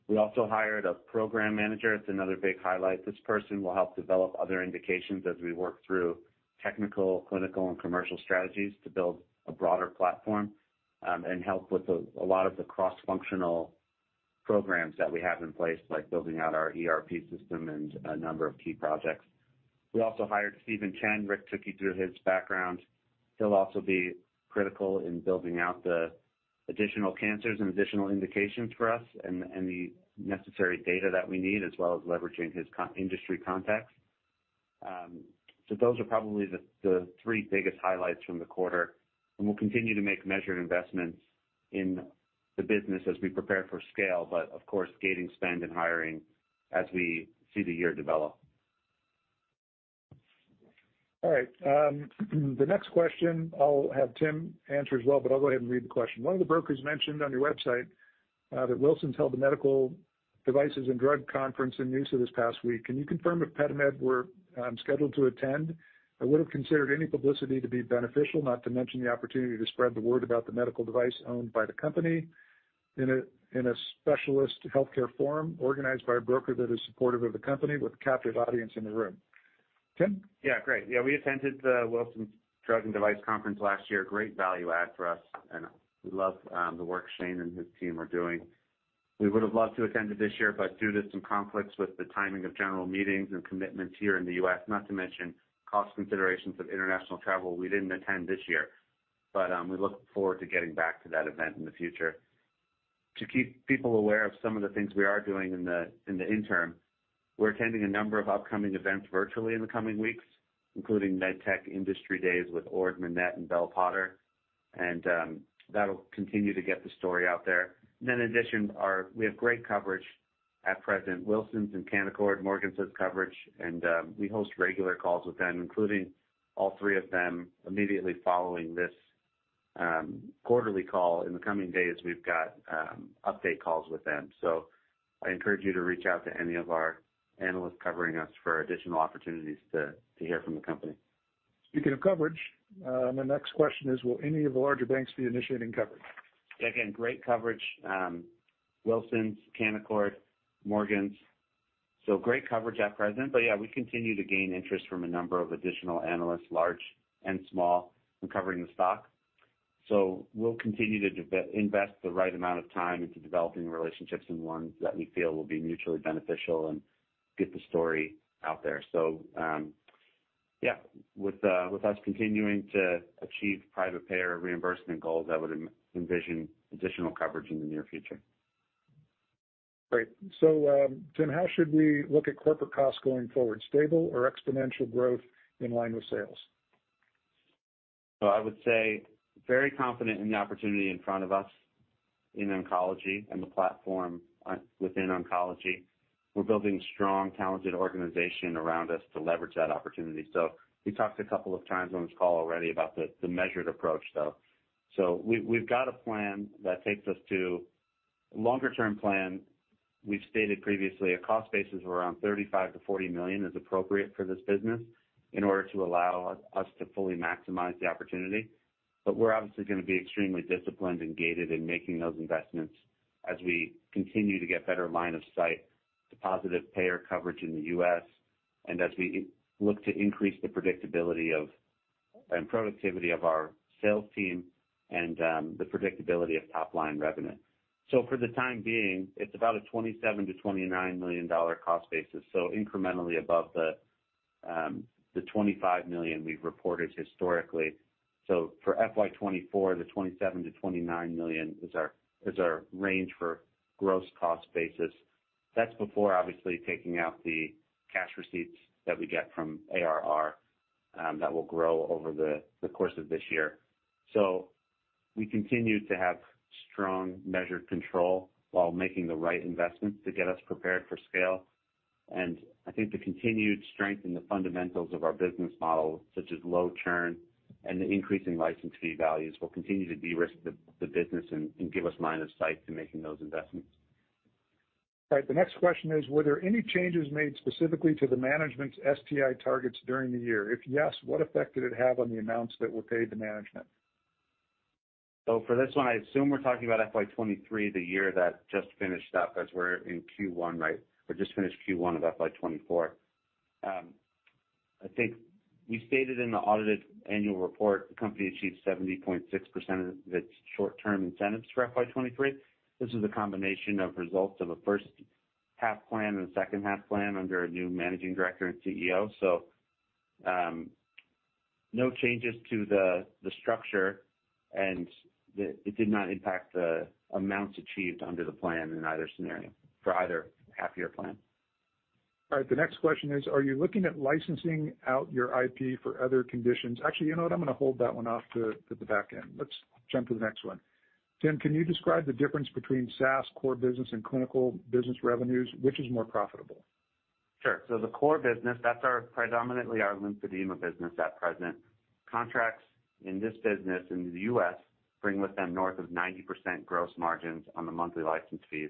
We also hired a program manager. It's another big highlight. This person will help develop other indications as we work through technical, clinical, and commercial strategies to build a broader platform, and help with a lot of the cross-functional programs that we have in place, like building out our ERP system and a number of key projects. We also hired Steven Chen. Rick took you through his background. He'll also be critical in building out the additional cancers and additional indications for us and the necessary data that we need, as well as leveraging his connections in the industry contacts. Those are probably the three biggest highlights from the quarter, and we'll continue to make measured investments in the business as we prepare for scale, but of course, gating spend and hiring as we see the year develop. All right, the next question, I'll have Tim answer as well, but I'll go ahead and read the question. One of the brokers mentioned on your website that Wilsons held a drug and device conference in the USA this past week. Can you confirm if ImpediMed were scheduled to attend? I would have considered any publicity to be beneficial, not to mention the opportunity to spread the word about the medical device owned by the company in a specialist healthcare forum, organized by a broker that is supportive of the company with a captive audience in the room. Tim? Yeah, great. Yeah, we attended the Wilsons Drug and Device Conference last year. Great value add for us, and we love the work Shane and his team are doing. We would have loved to attend it this year, but due to some conflicts with the timing of general meetings and commitments here in the US, not to mention cost considerations of international travel, we didn't attend this year. But we look forward to getting back to that event in the future. To keep people aware of some of the things we are doing in the interim, we're attending a number of upcoming events virtually in the coming weeks, including MedTech Industry Days with Ord Minnett and Bell Potter, and that'll continue to get the story out there. Then in addition, we have great coverage at present, Wilsons and Canaccord, Morgans coverage, and we host regular calls with them, including all three of them, immediately following this quarterly call. In the coming days, we've got update calls with them. So I encourage you to reach out to any of our analysts covering us for additional opportunities to hear from the company. Speaking of coverage, my next question is, will any of the larger banks be initiating coverage? Again, great coverage, Wilsons, Canaccord, Morgans. So great coverage at present, but yeah, we continue to gain interest from a number of additional analysts, large and small, in covering the stock. So we'll continue to invest the right amount of time into developing relationships and ones that we feel will be mutually beneficial and get the story out there. So, yeah, with us continuing to achieve private payer reimbursement goals, I would envision additional coverage in the near future. Great. So, Tim, how should we look at corporate costs going forward? Stable or exponential growth in line with sales? So I would say very confident in the opportunity in front of us in oncology and the platform on, within oncology. We're building a strong, talented organization around us to leverage that opportunity. So we talked a couple of times on this call already about the measured approach, though. So we've got a plan that takes us to longer-term plan, we've stated previously, a cost basis of around 35 million-40 million is appropriate for this business in order to allow us, us to fully maximize the opportunity. But we're obviously going to be extremely disciplined and gated in making those investments as we continue to get better line of sight to positive payer coverage in the U.S., and as we look to increase the predictability of, and productivity of our sales team and, the predictability of top-line revenue. So for the time being, it's about a $27-$29 million cost basis, so incrementally above the $25 million we've reported historically. So for FY 2024, the $27-$29 million is our range for gross cost basis. That's before obviously taking out the cash receipts that we get from ARR that will grow over the course of this year. So we continue to have strong measured control while making the right investments to get us prepared for scale. And I think the continued strength in the fundamentals of our business model, such as low churn and the increasing license fee values, will continue to de-risk the business and give us line of sight to making those investments. All right, the next question is: Were there any changes made specifically to the management's STI targets during the year? If yes, what effect did it have on the amounts that were paid to management? So for this one, I assume we're talking about FY 2023, the year that just finished up, as we're in Q1, right? Or just finished Q1 of FY 2024. I think we stated in the audited annual report, the company achieved 70.6% of its short-term incentives for FY 2023. This is a combination of results of a first half plan and a second-half plan under a new managing director and CEO. So, no changes to the, the structure, and it did not impact the amounts achieved under the plan in either scenario, for either half-year plan. All right, the next question is, are you looking at licensing out your IP for other conditions? Actually, you know what? I'm going to hold that one off to the back end. Let's jump to the next one. Tim, can you describe the difference between SaaS core business and clinical business revenues? Which is more profitable? Sure. So the core business, that's our, predominantly our lymphedema business at present. Contracts in this business in the U.S. bring with them north of 90% gross margins on the monthly license fees,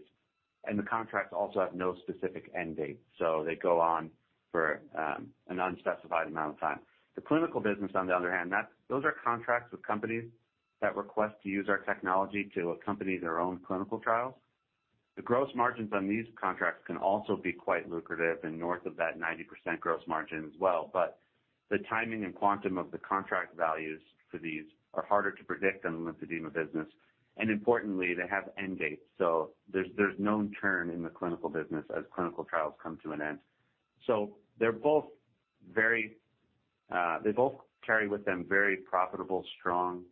and the contracts also have no specific end date, so they go on for an unspecified amount of time. The clinical business, on the other hand, that's those are contracts with companies that request to use our technology to accompany their own clinical trials. The gross margins on these contracts can also be quite lucrative and north of that 90% gross margin as well, but the timing and quantum of the contract values for these are harder to predict than the lymphedema business, and importantly, they have end dates, so there's, there's known churn in the clinical business as clinical trials come to an end. So they're both very, they both carry with them very profitable, strong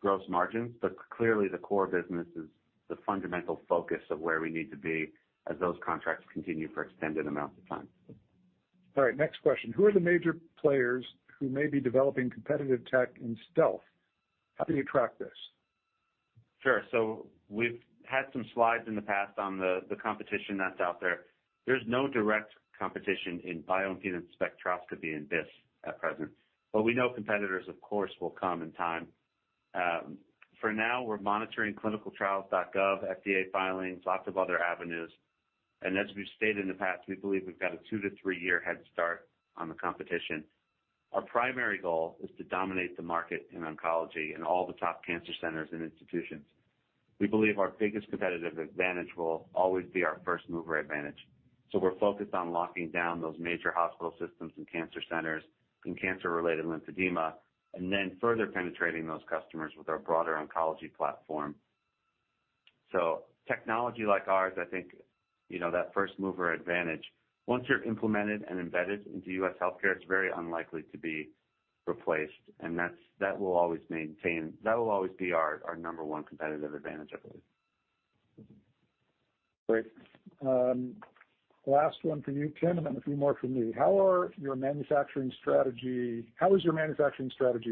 gross margins, but clearly the core business is the fundamental focus of where we need to be as those contracts continue for extended amounts of time. All right, next question: Who are the major players who may be developing competitive tech in stealth? How do you track this? Sure. So we've had some slides in the past on the competition that's out there. There's no direct competition in bioimpedance spectroscopy in BIS at present, but we know competitors, of course, will come in time. For now, we're monitoring ClinicalTrials.gov, FDA filings, lots of other avenues. And as we've stated in the past, we believe we've got a 2-3 year head start on the competition. Our primary goal is to dominate the market in oncology and all the top cancer centers and institutions. We believe our biggest competitive advantage will always be our first mover advantage. So we're focused on locking down those major hospital systems and cancer centers in cancer-related lymphedema, and then further penetrating those customers with our broader oncology platform. Technology like ours, I think, you know, that first mover advantage, once you're implemented and embedded into U.S. healthcare, it's very unlikely to be replaced, and that will always be our number one competitive advantage, I believe. Great. Last one for you, Tim, and then a few more for me. How is your manufacturing strategy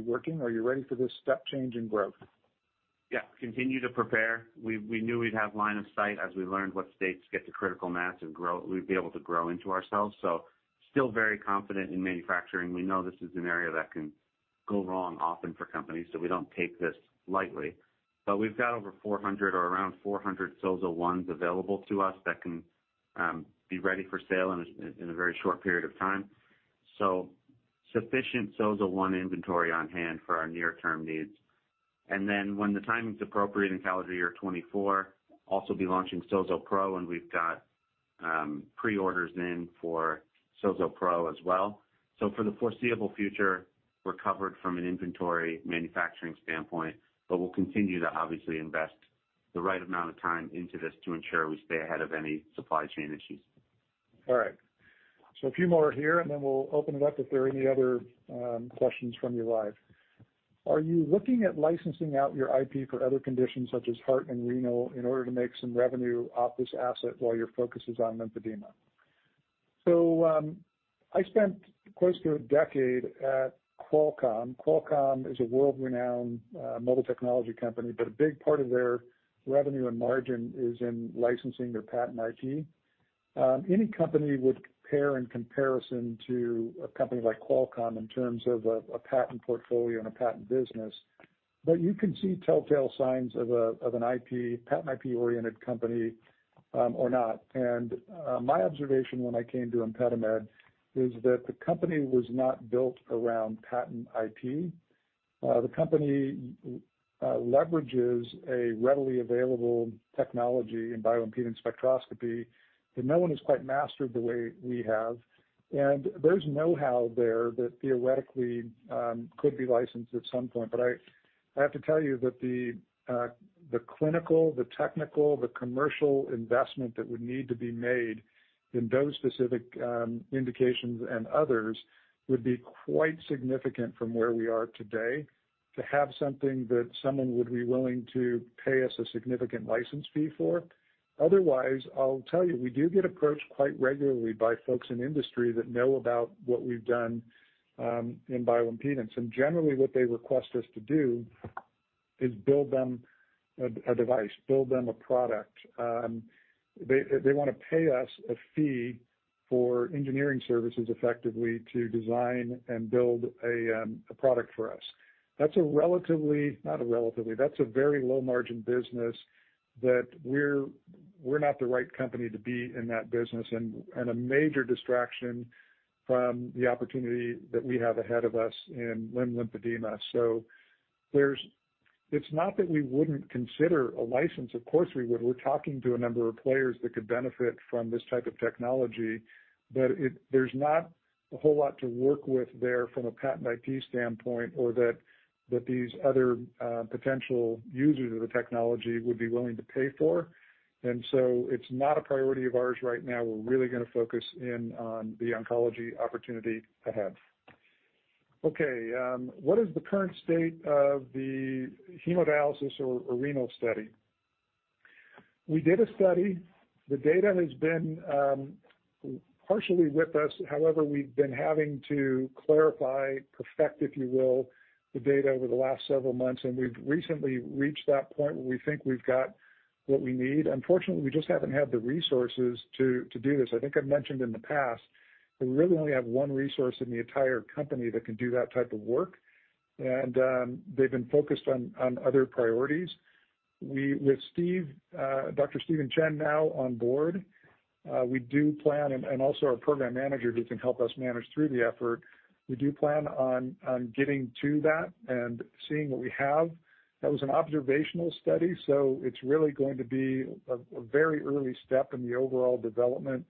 working? Are you ready for this step change in growth? Yeah, continue to prepare. We, we knew we'd have line of sight as we learned what states get to critical mass and grow—we'd be able to grow into ourselves. So still very confident in manufacturing. We know this is an area that can go wrong often for companies, so we don't take this lightly. But we've got over 400, or around 400 SOZO 1s available to us that can be ready for sale in a very short period of time. So sufficient SOZO-1 inventory on hand for our near-term needs. And then when the timing is appropriate in calendar year 2024, also be launching SOZO Pro, and we've got pre-orders in for SOZO Pro as well. For the foreseeable future, we're covered from an inventory manufacturing standpoint, but we'll continue to obviously invest the right amount of time into this to ensure we stay ahead of any supply chain issues. All right. So a few more here, and then we'll open it up if there are any other questions from you live. Are you looking at licensing out your IP for other conditions such as heart and renal in order to make some revenue off this asset while your focus is on lymphedema? So, I spent close to a decade at Qualcomm. Qualcomm is a world-renowned mobile technology company, but a big part of their revenue and margin is in licensing their patent IP. Any company would compare in comparison to a company like Qualcomm in terms of a patent portfolio and a patent business. But you can see telltale signs of an IP, patent IP-oriented company, or not. And my observation when I came to ImpediMed is that the company was not built around patent IP. The company leverages a readily available technology in bioimpedance spectroscopy that no one has quite mastered the way we have. There's know-how there that theoretically could be licensed at some point. I have to tell you that the clinical, the technical, the commercial investment that would need to be made in those specific indications and others would be quite significant from where we are today, to have something that someone would be willing to pay us a significant license fee for. Otherwise, I'll tell you, we do get approached quite regularly by folks in the industry that know about what we've done in bioimpedance. Generally, what they request us to do is build them a device, build them a product. They, they wanna pay us a fee for engineering services, effectively, to design and build a product for us. That's-- that's a very low-margin business that we're, we're not the right company to be in that business, and, and a major distraction from the opportunity that we have ahead of us in limb lymphedema. So, it's not that we wouldn't consider a license, of course, we would. We're talking to a number of players that could benefit from this type of technology, but there's not a whole lot to work with there from a patent IP standpoint or that these other potential users of the technology would be willing to pay for. And so it's not a priority of ours right now. We're really gonna focus in on the oncology opportunity ahead. Okay, what is the current state of the hemodialysis or, or renal study? We did a study. The data has been partially with us. However, we've been having to clarify, perfect, if you will, the data over the last several months, and we've recently reached that point where we think we've got what we need. Unfortunately, we just haven't had the resources to do this. I think I've mentioned in the past, we really only have one resource in the entire company that can do that type of work, and they've been focused on other priorities. With Steve, Dr. Steven Chen, now on board, we do plan, and also our program manager, who can help us manage through the effort, we do plan on getting to that and seeing what we have. That was an observational study, so it's really going to be a very early step in the overall development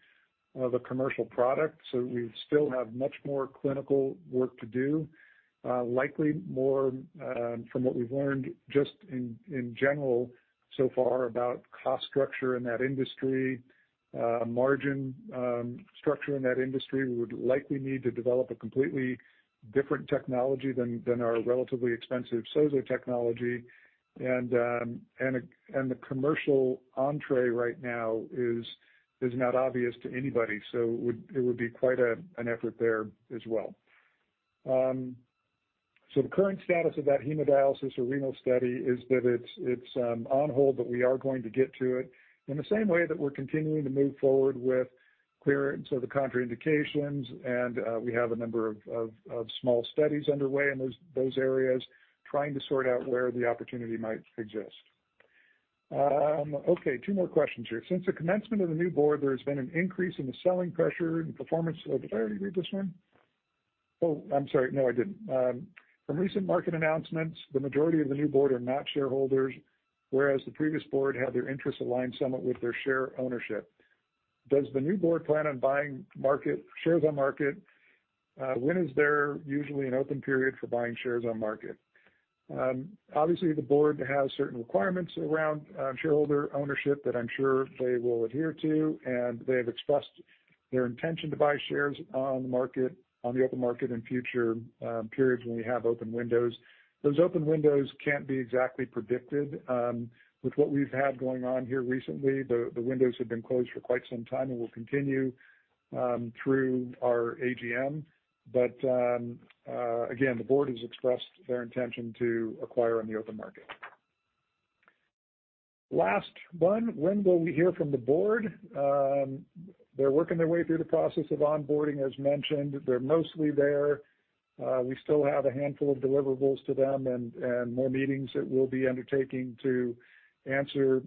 of a commercial product. So we still have much more clinical work to do, likely more, from what we've learned just in general so far about cost structure in that industry, margin structure in that industry, we would likely need to develop a completely different technology than our relatively expensive SOZO technology. And, and the commercial entry right now is not obvious to anybody, so it would be quite an effort there as well. So the current status of that hemodialysis or renal study is that it's on hold, but we are going to get to it in the same way that we're continuing to move forward with clearance of the contraindications. We have a number of small studies underway in those areas, trying to sort out where the opportunity might exist. Okay, two more questions here. Since the commencement of the new board, there has been an increase in the selling pressure and performance of—did I already read this one? Oh, I'm sorry, no, I didn't. From recent market announcements, the majority of the new board are not shareholders, whereas the previous board had their interests aligned somewhat with their share ownership. Does the new board plan on buying market shares on market? When is there usually an open period for buying shares on market? Obviously, the board has certain requirements around shareholder ownership that I'm sure they will adhere to, and they have expressed their intention to buy shares on the market, on the open market, in future periods when we have open windows. Those open windows can't be exactly predicted. With what we've had going on here recently, the windows have been closed for quite some time and will continue through our AGM. But again, the board has expressed their intention to acquire on the open market. Last one: When will we hear from the board? They're working their way through the process of onboarding, as mentioned. They're mostly there. We still have a handful of deliverables to them and more meetings that we'll be undertaking to answer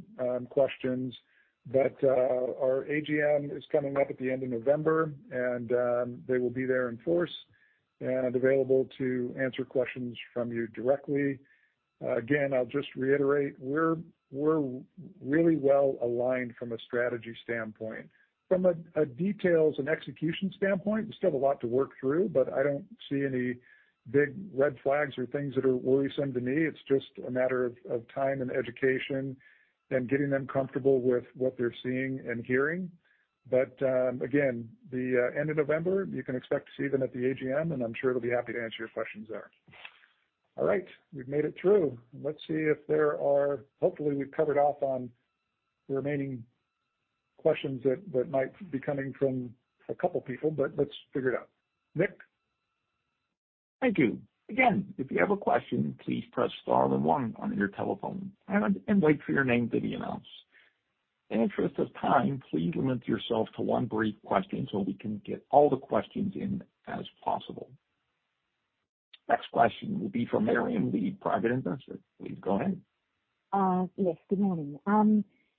questions. But, our AGM is coming up at the end of November, and, they will be there in force and available to answer questions from you directly. Again, I'll just reiterate, we're really well aligned from a strategy standpoint. From a details and execution standpoint, there's still a lot to work through, but I don't see any big red flags or things that are worrisome to me. It's just a matter of time and education and getting them comfortable with what they're seeing and hearing. But, again, the end of November, you can expect to see them at the AGM, and I'm sure they'll be happy to answer your questions there. All right, we've made it through. Let's see if there are, Hopefully, we've covered off on the remaining questions that might be coming from a couple people, but let's figure it out. Nick? Thank you. Again, if you have a question, please press star then one on your telephone and wait for your name to be announced. In the interest of time, please limit yourself to one brief question, so we can get all the questions in as possible. Next question will be from Miriam, the private investor. Please go ahead. Yes, good morning.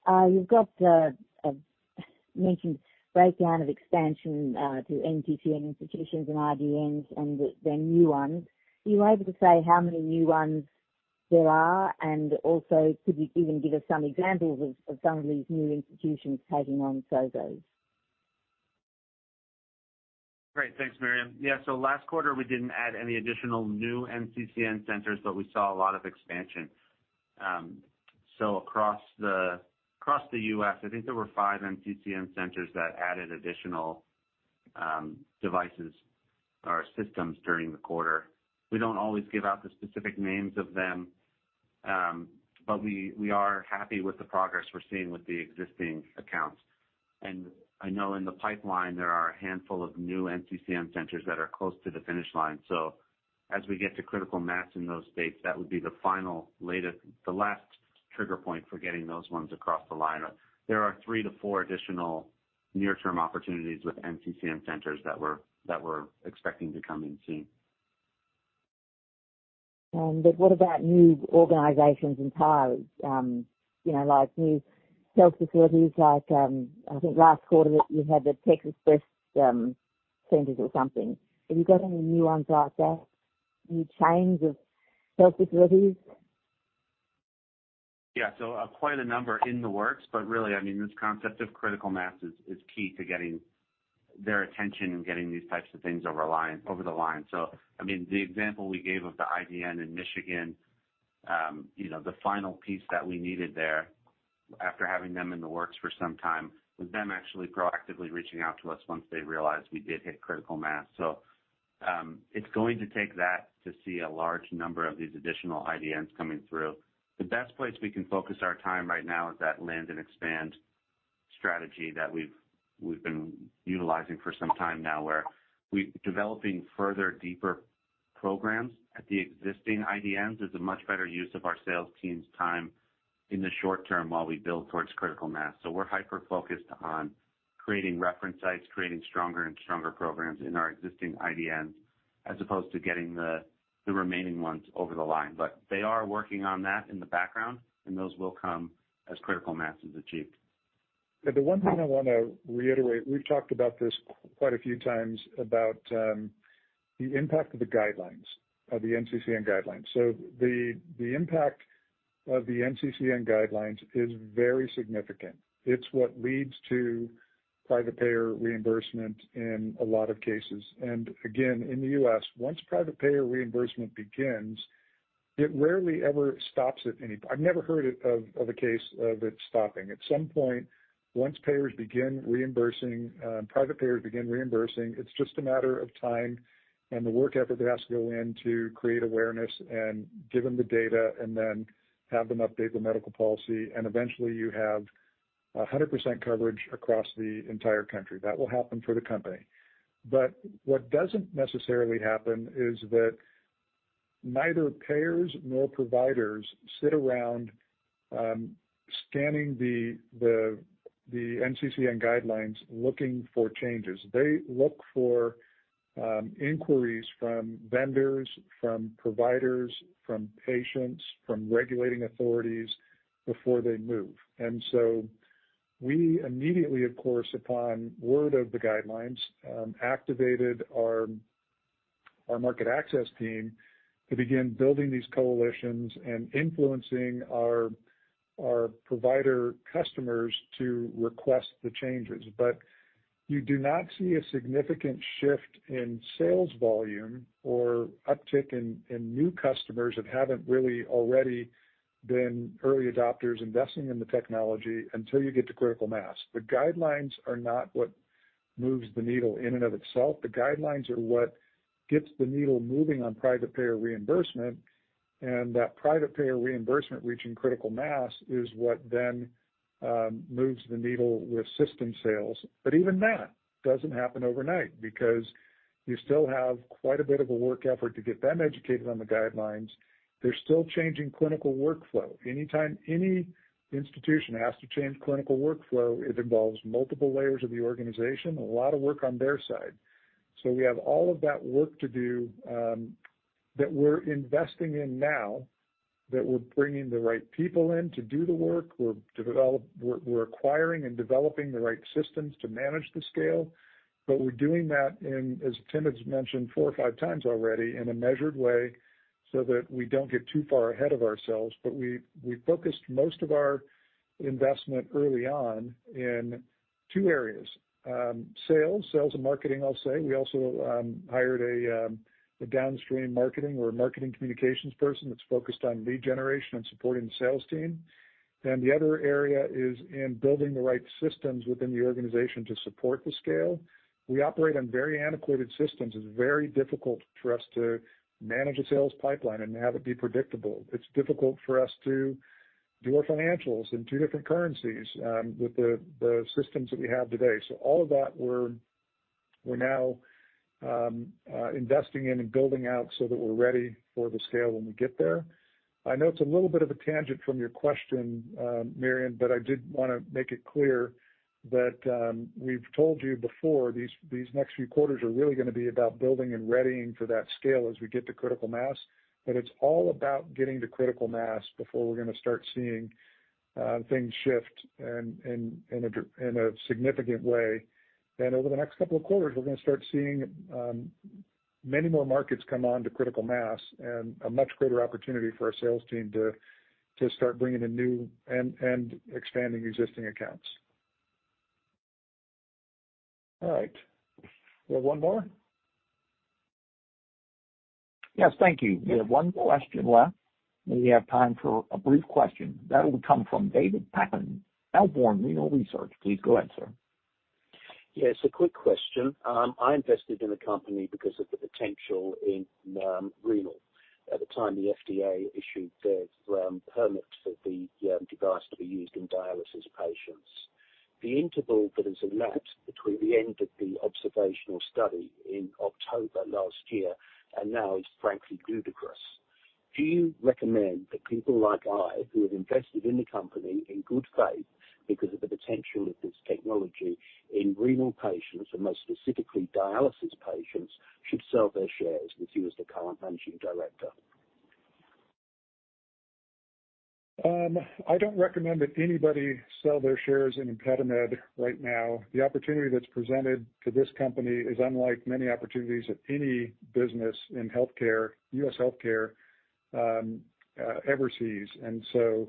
You've got a mentioned breakdown of expansion to NCCN institutions and IDNs and the new ones. Are you able to say how many new ones there are? And also, could you even give us some examples of some of these new institutions tagging on SOZO? Great. Thanks, Miriam. Yeah, so last quarter, we didn't add any additional new NCCN centers, but we saw a lot of expansion. So across the, across the U.S., I think there were five NCCN centers that added additional, devices or systems during the quarter. We don't always give out the specific names of them, but we, we are happy with the progress we're seeing with the existing accounts. And I know in the pipeline, there are a handful of new NCCN centers that are close to the finish line. So as we get to critical mass in those states, that would be the final, latest, the last trigger point for getting those ones across the line. There are three to four additional near-term opportunities with NCCN centers that we're, that we're expecting to come in soon. But what about new organizations entirely? You know, like new health facilities, like, I think last quarter that you had the Texas First, centers or something. Have you got any new ones like that, new chains of health facilities? Yeah, so, quite a number in the works, but really, I mean, this concept of critical mass is, is key to getting their attention and getting these types of things over line, over the line. So, I mean, the example we gave of the IDN in Michigan, you know, the final piece that we needed there, after having them in the works for some time, was them actually proactively reaching out to us once they realized we did hit critical mass. So, it's going to take that to see a large number of these additional IDNs coming through. The best place we can focus our time right now is that land and expand strategy that we've been utilizing for some time now, where we're developing further, deeper programs at the existing IDNs is a much better use of our sales team's time in the short term while we build towards critical mass. So we're hyper-focused on creating reference sites, creating stronger and stronger programs in our existing IDNs, as opposed to getting the remaining ones over the line. But they are working on that in the background, and those will come as critical mass is achieved. But the one thing I want to reiterate, we've talked about this quite a few times, about the impact of the guidelines, of the NCCN Guidelines. So the impact of the NCCN Guidelines is very significant. It's what leads to private payer reimbursement in a lot of cases. And again, in the U.S., once private payer reimbursement begins, it rarely ever stops at any. I've never heard of a case of it stopping. At some point, once payers begin reimbursing, private payers begin reimbursing, it's just a matter of time and the work effort that has to go in to create awareness and give them the data and then have them update the medical policy, and eventually you have 100% coverage across the entire country. That will happen for the company. But what doesn't necessarily happen is that neither payers nor providers sit around, scanning the NCCN Guidelines looking for changes. They look for inquiries from vendors, from providers, from patients, from regulating authorities before they move. And so we immediately, of course, upon word of the guidelines, activated our market access team to begin building these coalitions and influencing our provider customers to request the changes. But you do not see a significant shift in sales volume or uptick in new customers that haven't really already been early adopters investing in the technology until you get to critical mass. The guidelines are not what moves the needle in and of itself. The guidelines are what gets the needle moving on private payer reimbursement, and that private payer reimbursement reaching critical mass is what then moves the needle with system sales. But even that doesn't happen overnight, because you still have quite a bit of a work effort to get them educated on the guidelines. They're still changing clinical workflow. Anytime any institution has to change clinical workflow, it involves multiple layers of the organization, a lot of work on their side. So we have all of that work to do, that we're investing in now, that we're bringing the right people in to do the work, we're acquiring and developing the right systems to manage the scale. But we're doing that in, as Tim has mentioned four or five times already, in a measured way so that we don't get too far ahead of ourselves. But we focused most of our investment early on in two areas. Sales, sales and marketing, I'll say. We also hired a downstream marketing or a marketing communications person that's focused on lead generation and supporting the sales team. The other area is in building the right systems within the organization to support the scale. We operate on very antiquated systems. It's very difficult for us to manage a sales pipeline and have it be predictable. It's difficult for us to do our financials in two different currencies with the systems that we have today. So all of that, we're now investing in and building out so that we're ready for the scale when we get there. I know it's a little bit of a tangent from your question, Miriam, but I did wanna make it clear that we've told you before, these next few quarters are really gonna be about building and readying for that scale as we get to critical mass. But it's all about getting to critical mass before we're gonna start seeing things shift in a significant way. And over the next couple of quarters, we're gonna start seeing many more markets come on to critical mass and a much greater opportunity for our sales team to start bringing in new and expanding existing accounts. All right, we have one more? Yes, thank you. We have one question left, and we have time for a brief question. That will come from David Packham, Melbourne Renal Research. Please go ahead, sir. Yes, a quick question. I invested in the company because of the potential in renal. At the time, the FDA issued the permit for the device to be used in dialysis patients. The interval that has elapsed between the end of the observational study in October last year and now is frankly ludicrous. Do you recommend that people like I, who have invested in the company in good faith because of the potential of this technology in renal patients, and more specifically, dialysis patients, should sell their shares with you as the current managing director? I don't recommend that anybody sell their shares in ImpediMed right now. The opportunity that's presented to this company is unlike many opportunities that any business in healthcare, U.S. healthcare, ever sees. So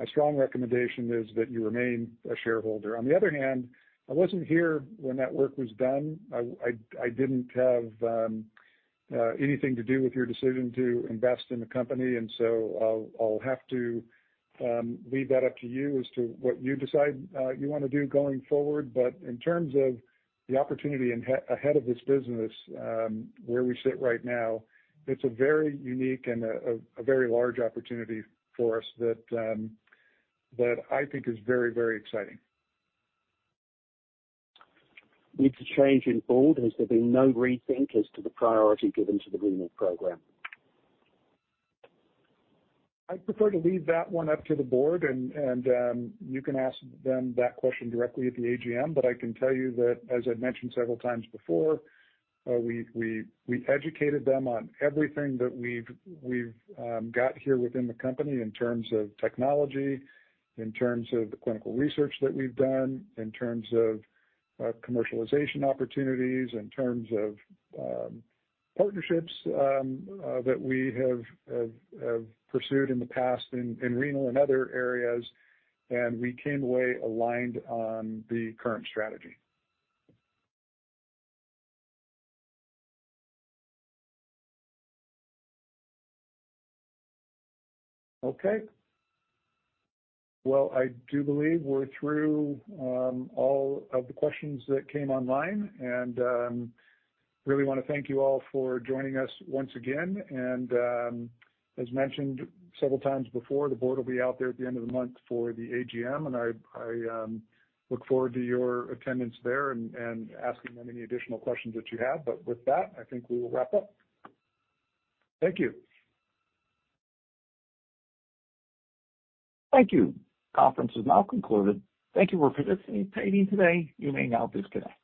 my strong recommendation is that you remain a shareholder. On the other hand, I wasn't here when that work was done. I didn't have anything to do with your decision to invest in the company, and so I'll have to leave that up to you as to what you decide you wanna do going forward. But in terms of the opportunity ahead of this business, where we sit right now, it's a very unique and a very large opportunity for us that I think is very, very exciting. With the change in board, has there been no rethink as to the priority given to the renal program? I prefer to leave that one up to the board, and you can ask them that question directly at the AGM. But I can tell you that, as I've mentioned several times before, we educated them on everything that we've got here within the company in terms of technology, in terms of the clinical research that we've done, in terms of commercialization opportunities, in terms of partnerships that we have pursued in the past in renal and other areas, and we came away aligned on the current strategy. Okay. Well, I do believe we're through all of the questions that came online, and really wanna thank you all for joining us once again. As mentioned several times before, the board will be out there at the end of the month for the AGM, and I look forward to your attendance there and asking them any additional questions that you have. But with that, I think we will wrap up. Thank you. Thank you. Conference is now concluded. Thank you for participating today. You may now disconnect.